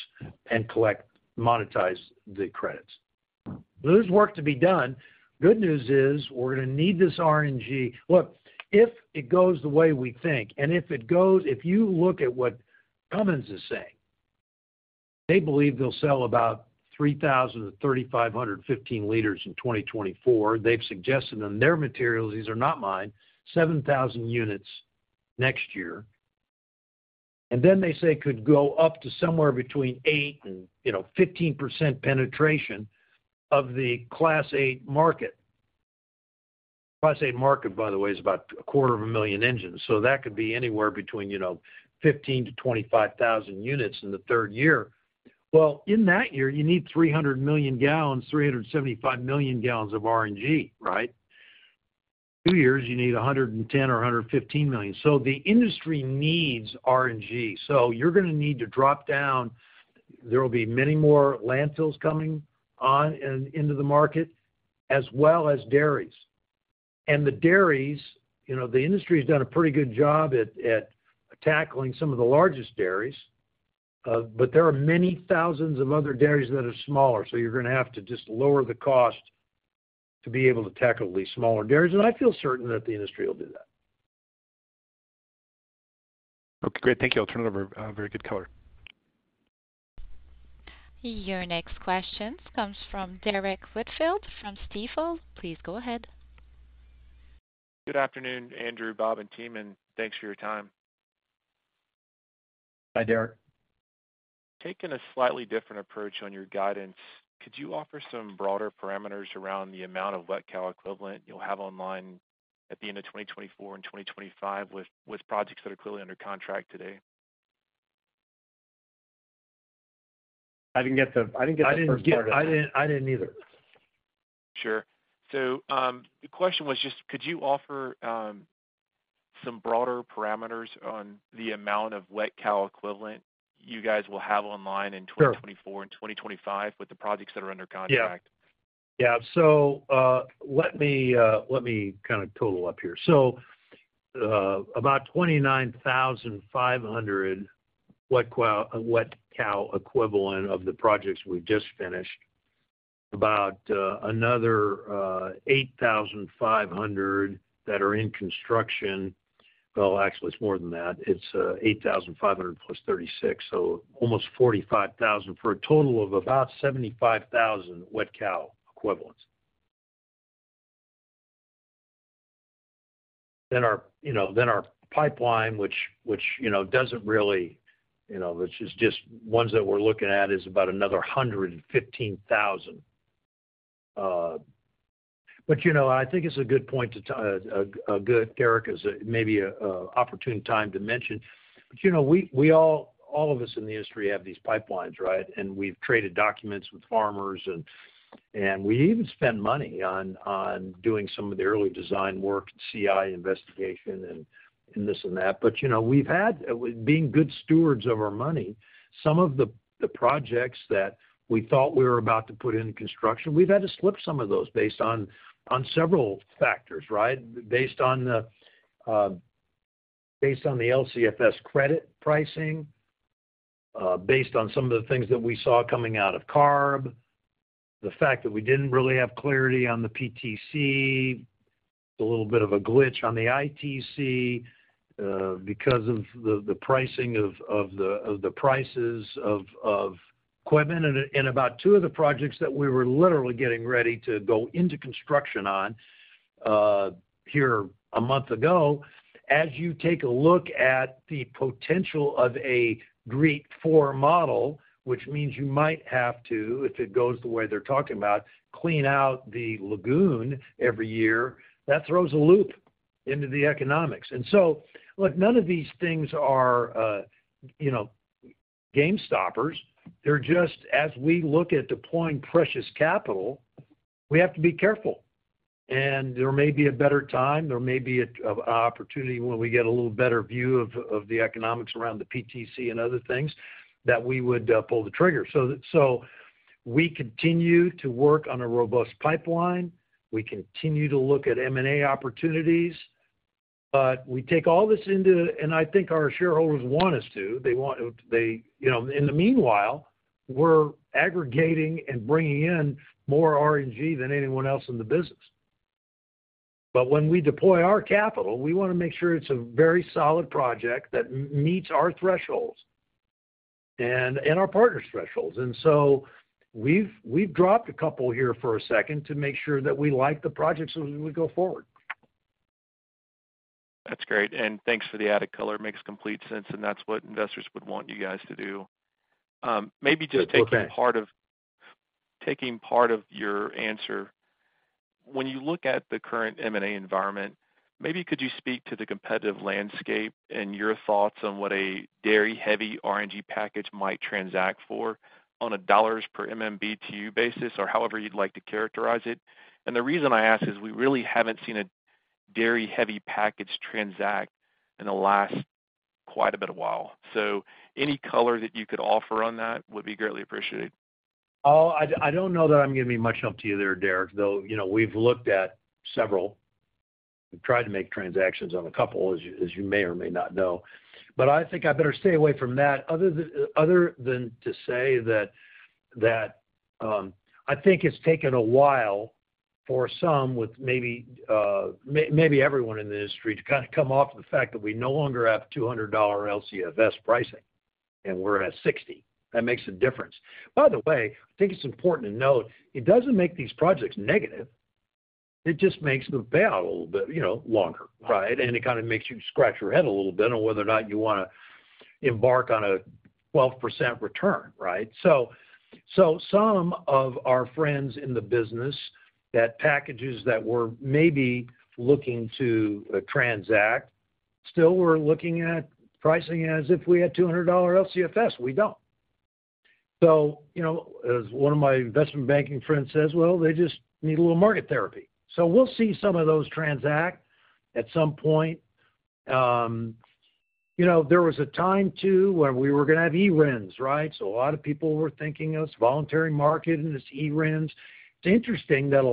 and collect, monetize the credits. So there's work to be done. Good news is we're going to need this RNG. Look, if it goes the way we think and if it goes, if you look at what Cummins is saying, they believe they'll sell about 3,000 to 3,500 15L in 2024. They've suggested in their materials—these are not mine—7,000 units next year. And then they say could go up to somewhere between 8%-15% penetration of the Class 8 market. Class 8 market, by the way, is about 250,000 engines. So that could be anywhere between 15,000-25,000 units in the third year. Well, in that year, you need 300 million gallons, 375 million gallons of RNG, right? Two years, you need 110 or 115 million. So the industry needs RNG. So you're going to need to drop down. There will be many more landfills coming on and into the market as well as dairies. The dairies, the industry has done a pretty good job at tackling some of the largest dairies. But there are many thousands of other dairies that are smaller. So you're going to have to just lower the cost to be able to tackle these smaller dairies. And I feel certain that the industry will do that. Okay. Great. Thank you. I'll turn it over. Very good color. Your next question comes from Derrick Whitfield from Stifel. Please go ahead. Good afternoon, Andrew, Bob, and Tim. Thanks for your time. Hi, Derrick. Taking a slightly different approach on your guidance, could you offer some broader parameters around the amount of wet cow equivalent you'll have online at the end of 2024 and 2025 with projects that are clearly under contract today? I didn't get to start it. I didn't either. Sure. So the question was just, could you offer some broader parameters on the amount of wet cow equivalent you guys will have online in 2024 and 2025 with the projects that are under contract? Yeah. Yeah. So let me kind of total up here. So about 29,500 wet cow equivalent of the projects we've just finished, about another 8,500 that are in construction. Well, actually, it's more than that. It's 8,500 plus 36, so almost 45,000 for a total of about 75,000 wet cow equivalents. Then our pipeline, which is just ones that we're looking at, is about another 115,000. But I think it's a good point to a good Derrick is maybe an opportune time to mention. But all of us in the industry have these pipelines, right? And we've traded documents with farmers. And we even spend money on doing some of the early design work, CI investigation, and this and that. But we've had, being good stewards of our money, some of the projects that we thought we were about to put into construction. We've had to slip some of those based on several factors, right? Based on the LCFS credit pricing, based on some of the things that we saw coming out of CARB, the fact that we didn't really have clarity on the PTC, a little bit of a glitch on the ITC because of the pricing of the prices of equipment. And about two of the projects that we were literally getting ready to go into construction on here a month ago, as you take a look at the potential of a GREET 4 model, which means you might have to, if it goes the way they're talking about, clean out the lagoon every year, that throws a loop into the economics. And so look, none of these things are game stoppers. They're just, as we look at deploying precious capital, we have to be careful. And there may be a better time. There may be an opportunity when we get a little better view of the economics around the PTC and other things that we would pull the trigger. So we continue to work on a robust pipeline. We continue to look at M&A opportunities. But we take all this into and I think our shareholders want us to. They want to in the meanwhile, we're aggregating and bringing in more RNG than anyone else in the business. But when we deploy our capital, we want to make sure it's a very solid project that meets our thresholds and our partners' thresholds. So we've dropped a couple here for a second to make sure that we like the projects as we go forward. That's great. And thanks for the added color. Makes complete sense. And that's what investors would want you guys to do. Maybe just taking part of your answer, when you look at the current M&A environment, maybe could you speak to the competitive landscape and your thoughts on what a dairy-heavy RNG package might transact for on a dollars per MMBtu basis or however you'd like to characterize it? And the reason I ask is we really haven't seen a dairy-heavy package transact in the last quite a bit of while. So any color that you could offer on that would be greatly appreciated. Oh, I don't know that I'm going to be much help to you there, Derrick, though. We've looked at several. We've tried to make transactions on a couple, as you may or may not know. But I think I better stay away from that other than to say that I think it's taken a while for some with maybe everyone in the industry to kind of come off the fact that we no longer have $200 LCFS pricing. And we're at $60. That makes a difference. By the way, I think it's important to note, it doesn't make these projects negative. It just makes the payout a little bit longer, right? And it kind of makes you scratch your head a little bit on whether or not you want to embark on a 12% return, right? So some of our friends in the business, that packages that we're maybe looking to transact, still were looking at pricing as if we had $200 LCFS. We don't. So as one of my investment banking friends says, "Well, they just need a little market therapy." So we'll see some of those transact at some point. There was a time too when we were going to have RINs, right? So a lot of people were thinking it was voluntary market and it's RINs. It's interesting that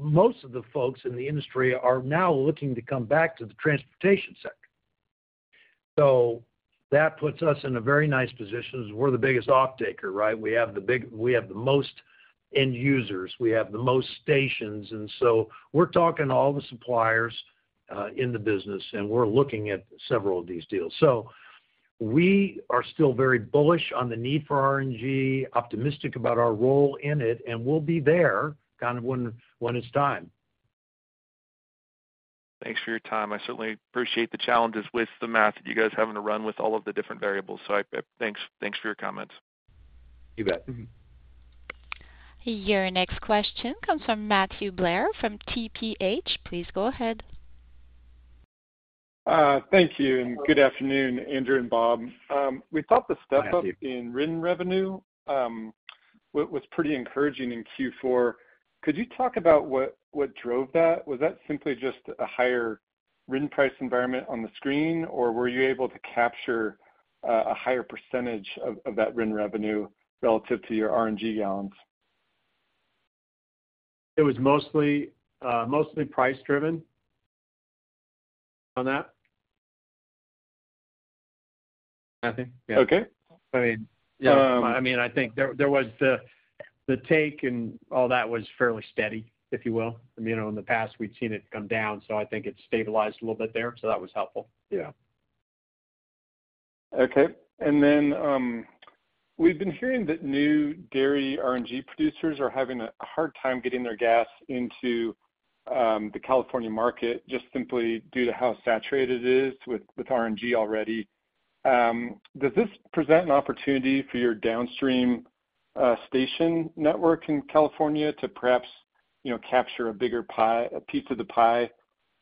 most of the folks in the industry are now looking to come back to the transportation sector. So that puts us in a very nice position as we're the biggest offtaker, right? We have the big we have the most end users. We have the most stations. And so we're talking to all the suppliers in the business. We're looking at several of these deals. We are still very bullish on the need for RNG, optimistic about our role in it. We'll be there kind of when it's time. Thanks for your time. I certainly appreciate the challenges with the math that you guys having to run with all of the different variables. Thanks for your comments. You bet. Your next question comes from Matthew Blair from TPH. Please go ahead. Thank you. And good afternoon, Andrew and Bob. We thought the step-up in RIN revenue was pretty encouraging in Q4. Could you talk about what drove that? Was that simply just a higher RIN price environment on the screen? Or were you able to capture a higher percentage of that RIN revenue relative to your RNG gallons? It was mostly price-driven on that. Nothing? Yeah. Okay. I mean, yeah. I mean, I think there was the take and all that was fairly steady, if you will. I mean, in the past, we'd seen it come down. So I think it stabilized a little bit there. So that was helpful. Yeah. Okay. Then we've been hearing that new dairy RNG producers are having a hard time getting their gas into the California market just simply due to how saturated it is with RNG already. Does this present an opportunity for your downstream station network in California to perhaps capture a bigger piece of the pie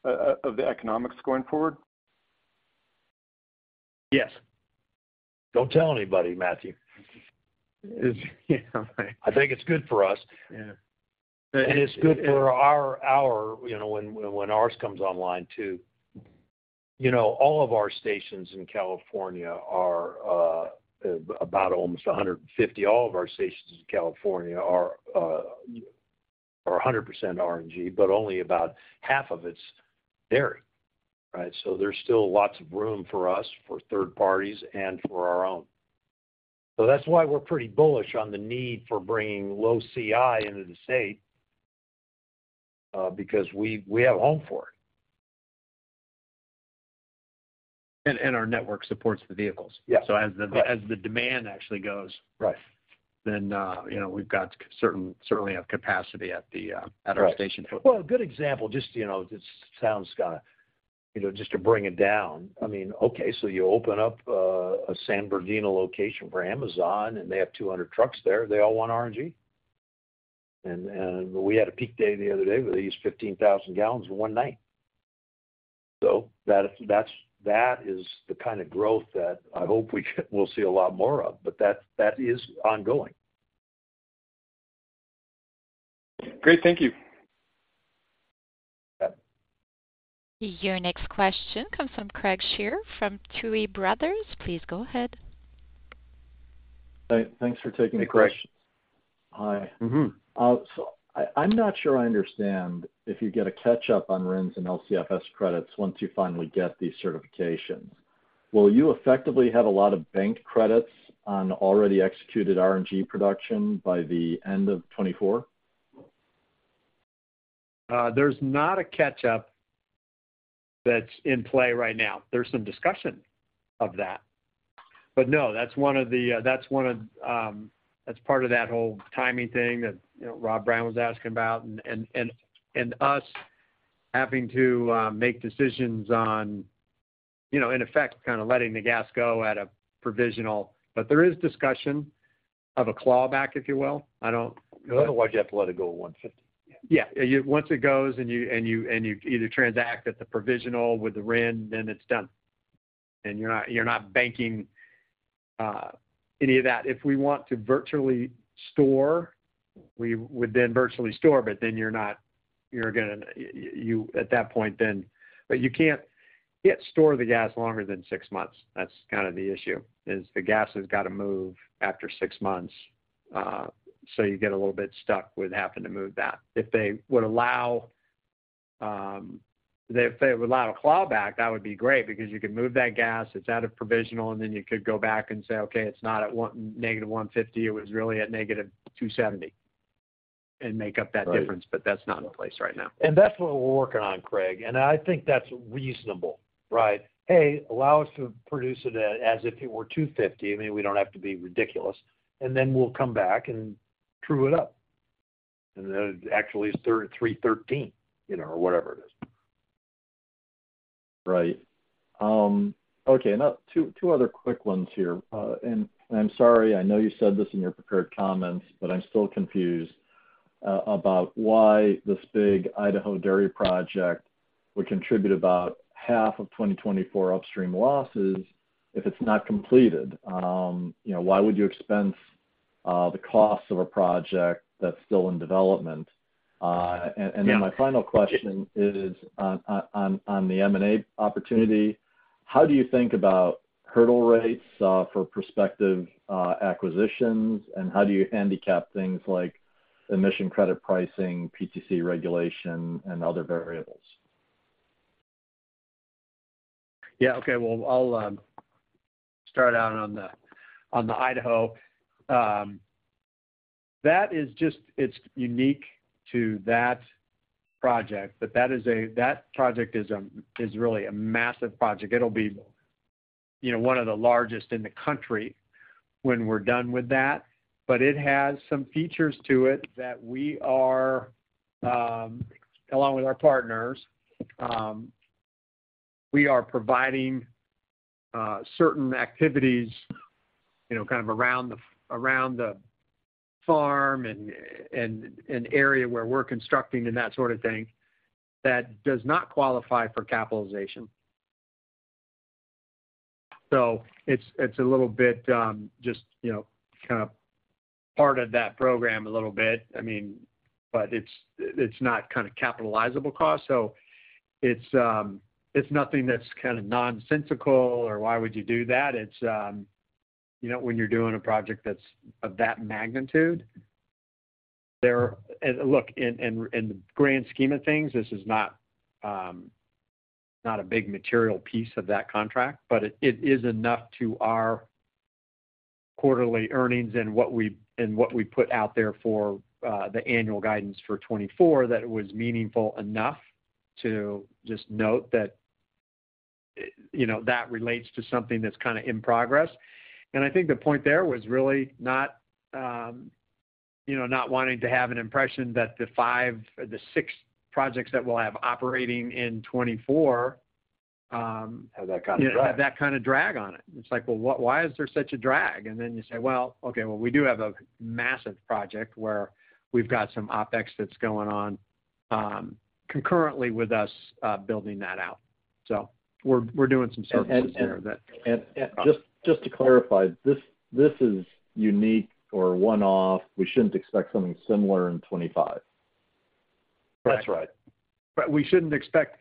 of the economics going forward? Yes. Don't tell anybody, Matthew. I think it's good for us. And it's good for our when ours comes online too. All of our stations in California are about almost 150. All of our stations in California are 100% RNG, but only about half of it's dairy, right? So there's still lots of room for us, for third parties, and for our own. So that's why we're pretty bullish on the need for bringing low CI into the state because we have a home for it. And our network supports the vehicles. So as the demand actually goes, then we've got to certainly have capacity at our station footprint. Well, a good example, just to bring it down, I mean, okay, so you open up a San Bernardino location for Amazon, and they have 200 trucks there. They all want RNG. And we had a peak day the other day where they used 15,000 gallons in one night. So that is the kind of growth that I hope we'll see a lot more of. But that is ongoing. Great. Thank you. Your next question comes from Craig Shere from Tuohy Brothers. Please go ahead. Thanks for taking the question. Hi. So I'm not sure I understand if you get a catch-up on RINs and LCFS credits once you finally get these certifications. Will you effectively have a lot of banked credits on already executed RNG production by the end of 2024? There's not a catch-up that's in play right now. There's some discussion of that. But no, that's part of that whole timing thing that Rob Brown was asking about and us having to make decisions on, in effect, kind of letting the gas go at a provisional, but there is discussion of a clawback, if you will. Well, otherwise, you have to let it go at 150. Yeah. Once it goes and you either transact at the provisional with the RIN, then it's done. And you're not banking any of that. If we want to virtually store, we would then virtually store. But then you're not going to at that point, but you can't store the gas longer than six months. That's kind of the issue, is the gas has got to move after six months. So you get a little bit stuck with having to move that. If they would allow a clawback, that would be great because you could move that gas. It's out of provisional. And then you could go back and say, "Okay, it's not at -150. It was really at -270," and make up that difference. But that's not in place right now. That's what we're working on, Craig. I think that's reasonable, right? "Hey, allow us to produce it as if it were 250. I mean, we don't have to be ridiculous. And then we'll come back and true it up." It actually is 313 or whatever it is. Right. Okay. And two other quick ones here. And I'm sorry. I know you said this in your prepared comments, but I'm still confused about why this big Idaho dairy project would contribute about half of 2024 upstream losses if it's not completed. Why would you expense the costs of a project that's still in development? And then my final question is, on the M&A opportunity, how do you think about hurdle rates for prospective acquisitions? And how do you handicap things like emission credit pricing, PTC regulation, and other variables? Yeah. Okay. Well, I'll start out on the Idaho. It's unique to that project. But that project is really a massive project. It'll be one of the largest in the country when we're done with that. But it has some features to it that we are along with our partners, we are providing certain activities kind of around the farm and area where we're constructing and that sort of thing that does not qualify for capitalization. So it's a little bit just kind of part of that program a little bit, I mean, but it's not kind of capitalizable cost. So it's nothing that's kind of nonsensical or, "Why would you do that?" It's when you're doing a project that's of that magnitude. Look, in the grand scheme of things, this is not a big material piece of that contract. But it is enough to our quarterly earnings and what we put out there for the annual guidance for 2024 that it was meaningful enough to just note that that relates to something that's kind of in progress. I think the point there was really not wanting to have an impression that the six projects that we'll have operating in 2024. Have that kind of drag. Yeah. Have that kind of drag on it. It's like, "Well, why is there such a drag?" And then you say, "Well, okay, well, we do have a massive project where we've got some OpEx that's going on concurrently with us building that out." So we're doing some services there that. Just to clarify, this is unique or one-off. We shouldn't expect something similar in 2025. That's right. Right. We shouldn't expect,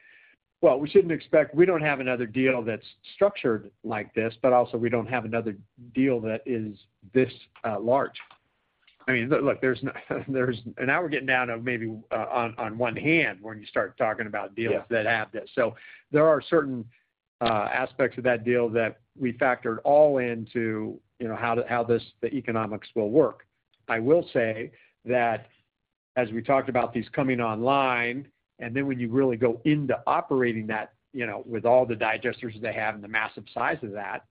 well, we shouldn't expect we don't have another deal that's structured like this. But also, we don't have another deal that is this large. I mean, look, there's, and now we're getting down to maybe on one hand when you start talking about deals that have this. So there are certain aspects of that deal that we factored all into how the economics will work. I will say that as we talked about these coming online and then when you really go into operating that with all the digesters they have and the massive size of that,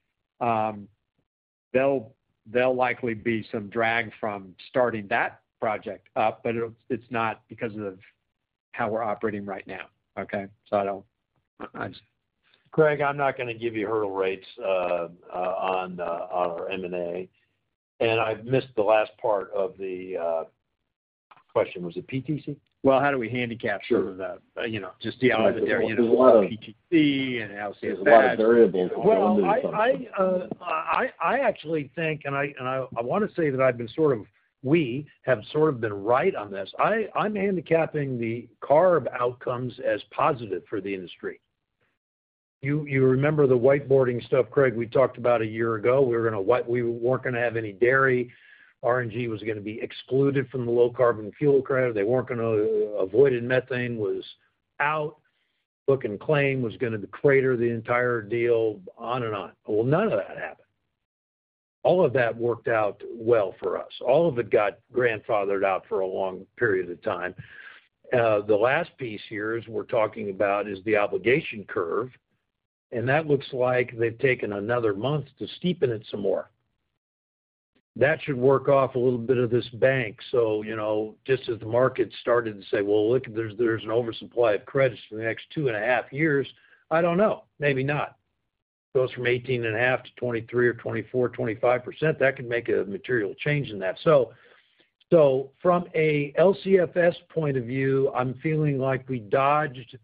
there'll likely be some drag from starting that project up. But it's not because of how we're operating right now, okay? So I don't. Craig, I'm not going to give you hurdle rates on our M&A. I missed the last part of the question. Was it PTC? Well, how do we handicap some of that? Just dealing with the dairy PTC and LCFS. There's a lot of variables that we're limited to. Well, I actually think and I want to say that I've been sort of we have sort of been right on this. I'm handicapping the CARB outcomes as positive for the industry. You remember the whiteboarding stuff, Craig? We talked about a year ago. We weren't going to have any dairy RNG. RNG was going to be excluded from the low-carbon fuel credit. They weren't going to avoid and methane was out. Book and claim was going to crater the entire deal, on and on. Well, none of that happened. All of that worked out well for us. All of it got grandfathered out for a long period of time. The last piece here is we're talking about is the obligation curve. That looks like they've taken another month to steepen it some more. That should work off a little bit of this bank. So just as the market started to say, "Well, look, there's an oversupply of credits for the next 2.5 years," I don't know. Maybe not. Goes from 18.5 to 23 or 24, 25%, that could make a material change in that. So from a LCFS point of view, I'm feeling like we dodged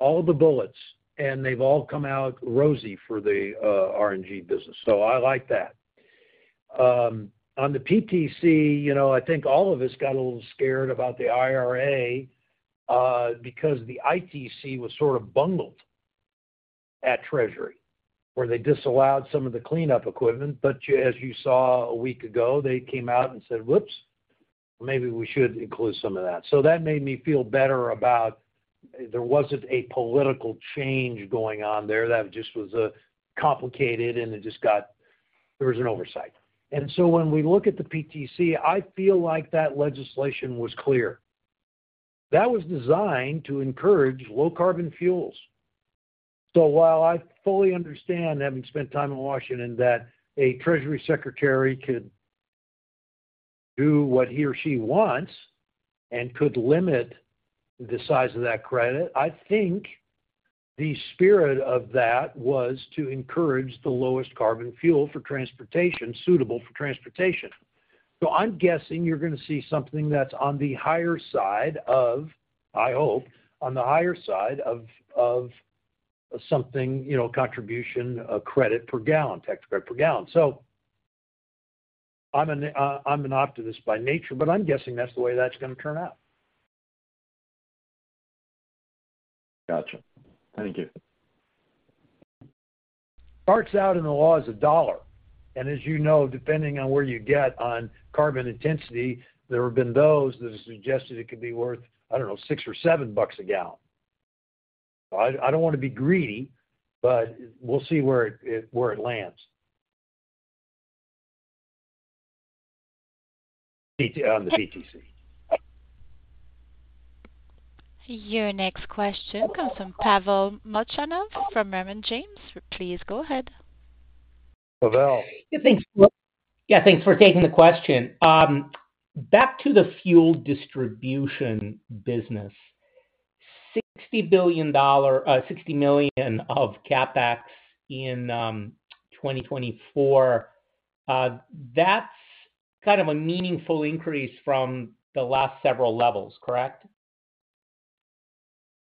all the bullets. And they've all come out rosy for the RNG business. So I like that. On the PTC, I think all of us got a little scared about the IRA because the ITC was sort of bungled at Treasury where they disallowed some of the cleanup equipment. But as you saw a week ago, they came out and said, "Whoops, maybe we should include some of that." So that made me feel better about there wasn't a political change going on there. That just was complicated. There was an oversight. So when we look at the PTC, I feel like that legislation was clear. That was designed to encourage low-carbon fuels. So while I fully understand, having spent time in Washington, that a Treasury Secretary could do what he or she wants and could limit the size of that credit, I think the spirit of that was to encourage the lowest carbon fuel for transportation suitable for transportation. So I'm guessing you're going to see something that's on the higher side of, I hope, on the higher side of something contribution credit per gallon, tax credit per gallon. So I'm an optimist by nature. But I'm guessing that's the way that's going to turn out. Gotcha. Thank you. Starts out in the LCFS as $1. As you know, depending on where you get on carbon intensity, there have been those that have suggested it could be worth, I don't know, $6 or $7 a gallon. So I don't want to be greedy. But we'll see where it lands on the PTC. Your next question comes from Pavel Molchanov from Raymond James. Please go ahead. Yeah. Thanks for taking the question. Back to the fuel distribution business, $60 million of CapEx in 2024, that's kind of a meaningful increase from the last several levels, correct?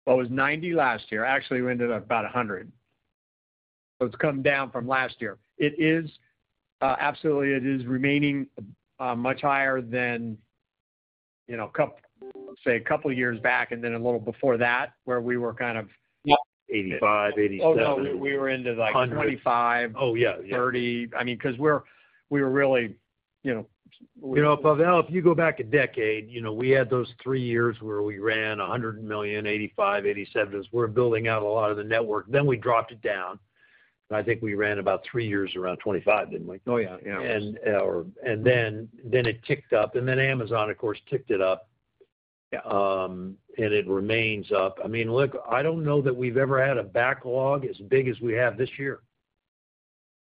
Well, it was 90 last year. Actually, we ended up about 100. So it's come down from last year. Absolutely, it is remaining much higher than, say, a couple of years back and then a little before that where we were kind of 85, 87. Oh, no. We were into like 25, 30. I mean, because we were really we. Pavel, if you go back a decade, we had those three years where we ran $100 million, $85 million, $87 million. We were building out a lot of the network. Then we dropped it down. I think we ran about three years around $25 million, didn't we? Oh, yeah. Yeah. Then it ticked up. Then Amazon, of course, ticked it up. It remains up. I mean, look, I don't know that we've ever had a backlog as big as we have this year.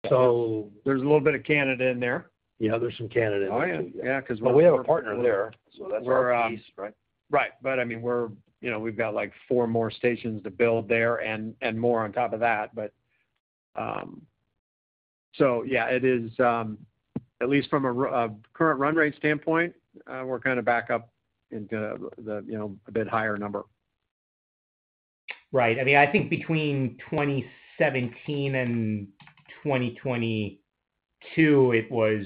So. There's a little bit of Canada in there. Yeah. There's some Canada in there. Oh, yeah. Yeah. Because we're. But we have a partner there. So that's our piece, right? Right. But I mean, we've got like 4 more stations to build there and more on top of that. So yeah, at least from a current run rate standpoint, we're kind of back up into a bit higher number. Right. I mean, I think between 2017 and 2022, it was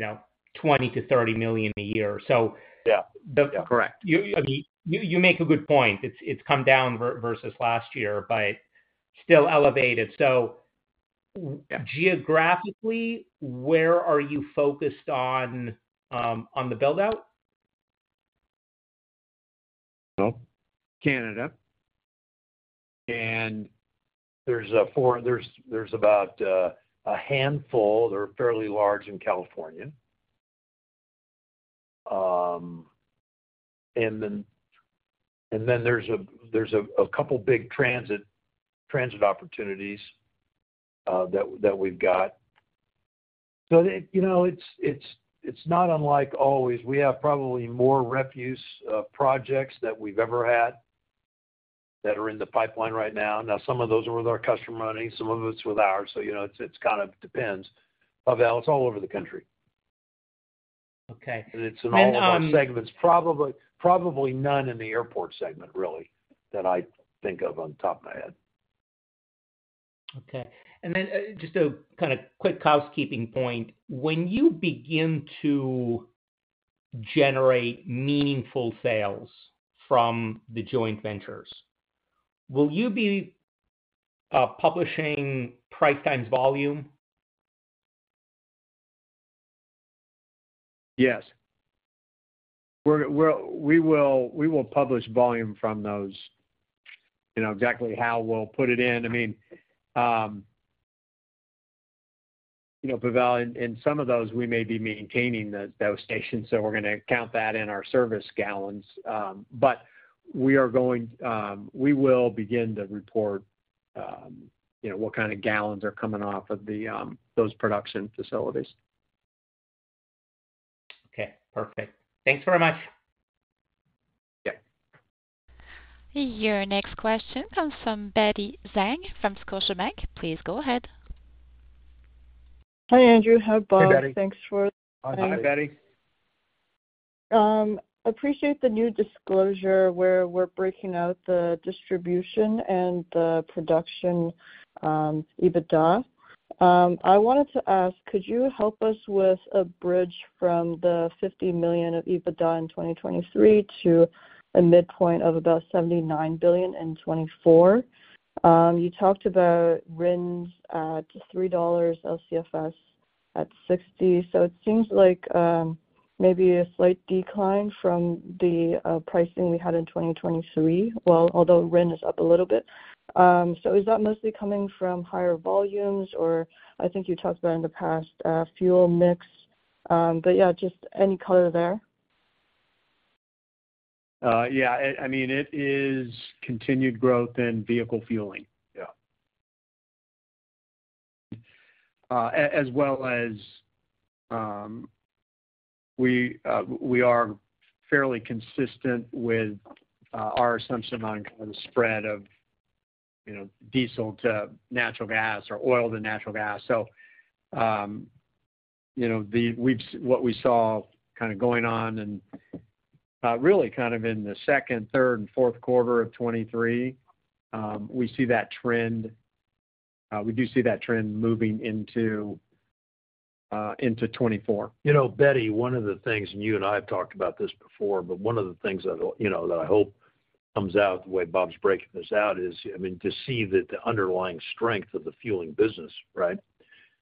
$20 million-$30 million a year. So the. Yeah. Correct. I mean, you make a good point. It's come down versus last year, but still elevated. Geographically, where are you focused on the buildout? Canada. There's about a handful. They're fairly large in California. Then there's a couple of big transit opportunities that we've got. So it's not unlike always. We have probably more refuse projects than we've ever had that are in the pipeline right now. Now, some of those are with our customer money. Some of it's with ours. So it kind of depends. Pavel, it's all over the country. And it's in all segments. Probably none in the airport segment, really, that I think of on top of my head. Okay. And then just a kind of quick housekeeping point. When you begin to generate meaningful sales from the joint ventures, will you be publishing price times volume? Yes. We will publish volume from those. Exactly how we'll put it in. I mean, Pavel, in some of those, we may be maintaining those stations. So we're going to count that in our service gallons. But we will begin to report what kind of gallons are coming off of those production facilities. Okay. Perfect. Thanks very much. Yeah. Your next question comes from Betty Zhang from Scotiabank. Please go ahead. Hi, Andrew. How's Bob? Hey, Betty. Thanks for. Hi, Betty. Appreciate the new disclosure where we're breaking out the distribution and the production EBITDA. I wanted to ask, could you help us with a bridge from the $50 million of EBITDA in 2023 to a midpoint of about $79 million in 2024? You talked about RINs at $3, LCFS at $60. So it seems like maybe a slight decline from the pricing we had in 2023, although RIN is up a little bit. So is that mostly coming from higher volumes? Or I think you talked about in the past fuel mix. But yeah, just any color there? Yeah. I mean, it is continued growth in vehicle fueling, yeah, as well as we are fairly consistent with our assumption on kind of the spread of diesel to natural gas or oil to natural gas. So what we saw kind of going on and really kind of in the second, third, and fourth quarter of 2023, we see that trend. We do see that trend moving into 2024. Betty, one of the things and you and I have talked about this before. But one of the things that I hope comes out the way Bob's breaking this out is, I mean, to see the underlying strength of the fueling business, right?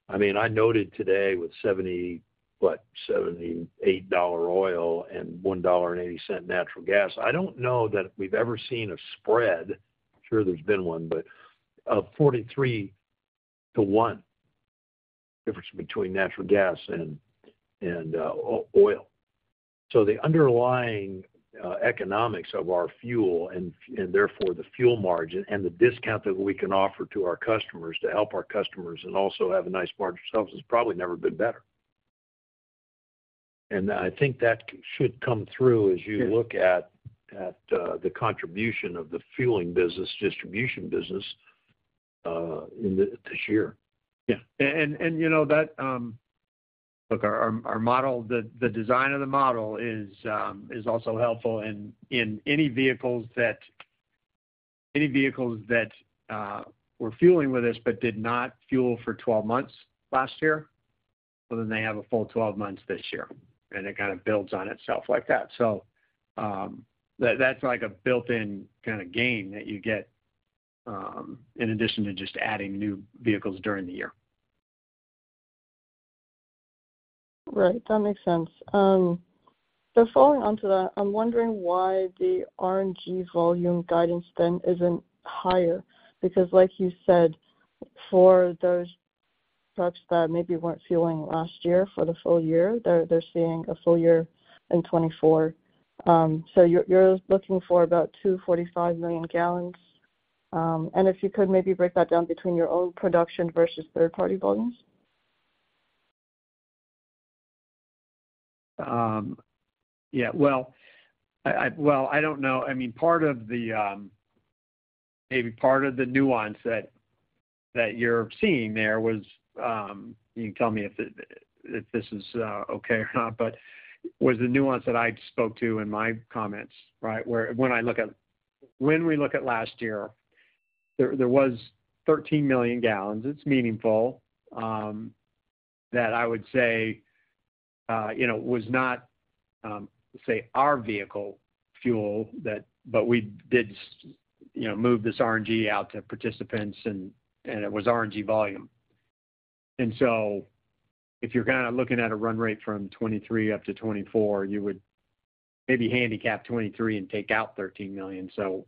I mean, I noted today with 70 what? $78 oil and $1.80 natural gas. I don't know that we've ever seen a spread sure, there's been one. But of 43-to-1 difference between natural gas and oil. So the underlying economics of our fuel and therefore the fuel margin and the discount that we can offer to our customers to help our customers and also have a nice margin ourselves has probably never been better. And I think that should come through as you look at the contribution of the fueling business distribution business this year. Yeah. And that, look, our model, the design of the model, is also helpful in any vehicles that were fueling with this but did not fuel for 12 months last year. So then they have a full 12 months this year. And it kind of builds on itself like that. So that's like a built-in kind of gain that you get in addition to just adding new vehicles during the year. Right. That makes sense. So following on to that, I'm wondering why the RNG volume guidance then isn't higher. Because like you said, for those trucks that maybe weren't fueling last year for the full year, they're seeing a full year in 2024. So you're looking for about 245 million gallons. And if you could maybe break that down between your own production versus third-party volumes. Yeah. Well, I don't know. I mean, part of the maybe part of the nuance that you're seeing there was you can tell me if this is okay or not. But was the nuance that I spoke to in my comments, right? When I look at when we look at last year, there was 13 million gallons. It's meaningful that I would say was not, say, our vehicle fuel. But we did move this RNG out to participants. And it was RNG volume. And so if you're kind of looking at a run rate from 2023 up to 2024, you would maybe handicap 2023 and take out 13 million. So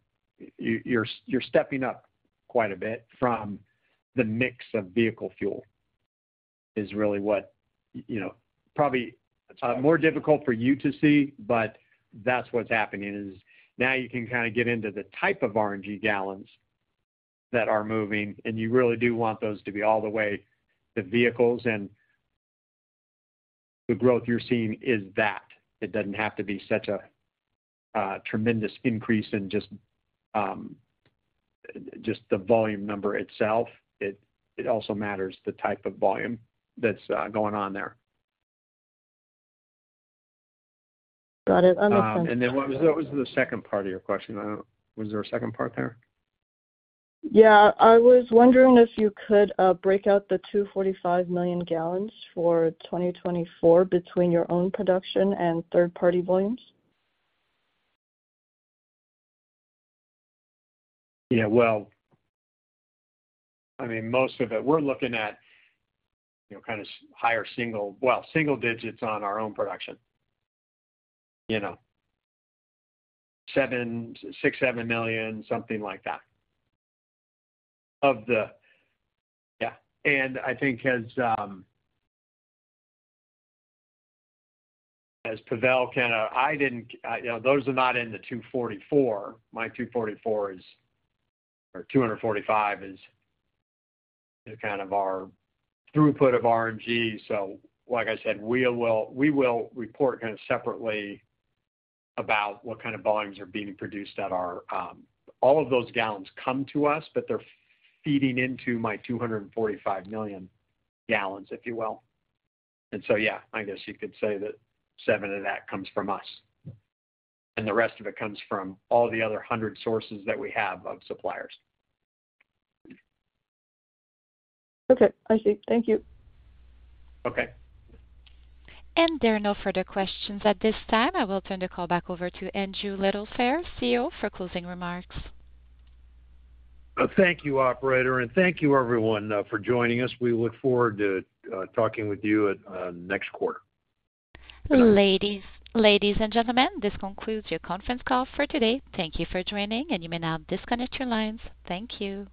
you're stepping up quite a bit from the mix of vehicle fuel is really what probably more difficult for you to see. But that's what's happening is now you can kind of get into the type of RNG gallons that are moving. And you really do want those to be all the way. The vehicles and the growth you're seeing is that. It doesn't have to be such a tremendous increase in just the volume number itself. It also matters the type of volume that's going on there. Got it. That makes sense. What was the second part of your question? Was there a second part there? Yeah. I was wondering if you could break out the 245 million gallons for 2024 between your own production and third-party volumes? Yeah. Well, I mean, most of it we're looking at kind of higher single well, single digits on our own production, 6, 7 million, something like that of the yeah. And I think as Pavel kind of I didn't those are not in the 244. My 244 is or 245 is kind of our throughput of RNG. So like I said, we will report kind of separately about what kind of volumes are being produced at our all of those gallons come to us. But they're feeding into my 245 million gallons, if you will. And so yeah, I guess you could say that 7 of that comes from us. And the rest of it comes from all the other 100 sources that we have of suppliers. Okay. I see. Thank you. Okay. There are no further questions at this time. I will turn the call back over to Andrew Littlefair, CEO, for closing remarks. Thank you, operator. Thank you, everyone, for joining us. We look forward to talking with you next quarter. Ladies and gentlemen, this concludes your conference call for today. Thank you for joining. You may now disconnect your lines. Thank you.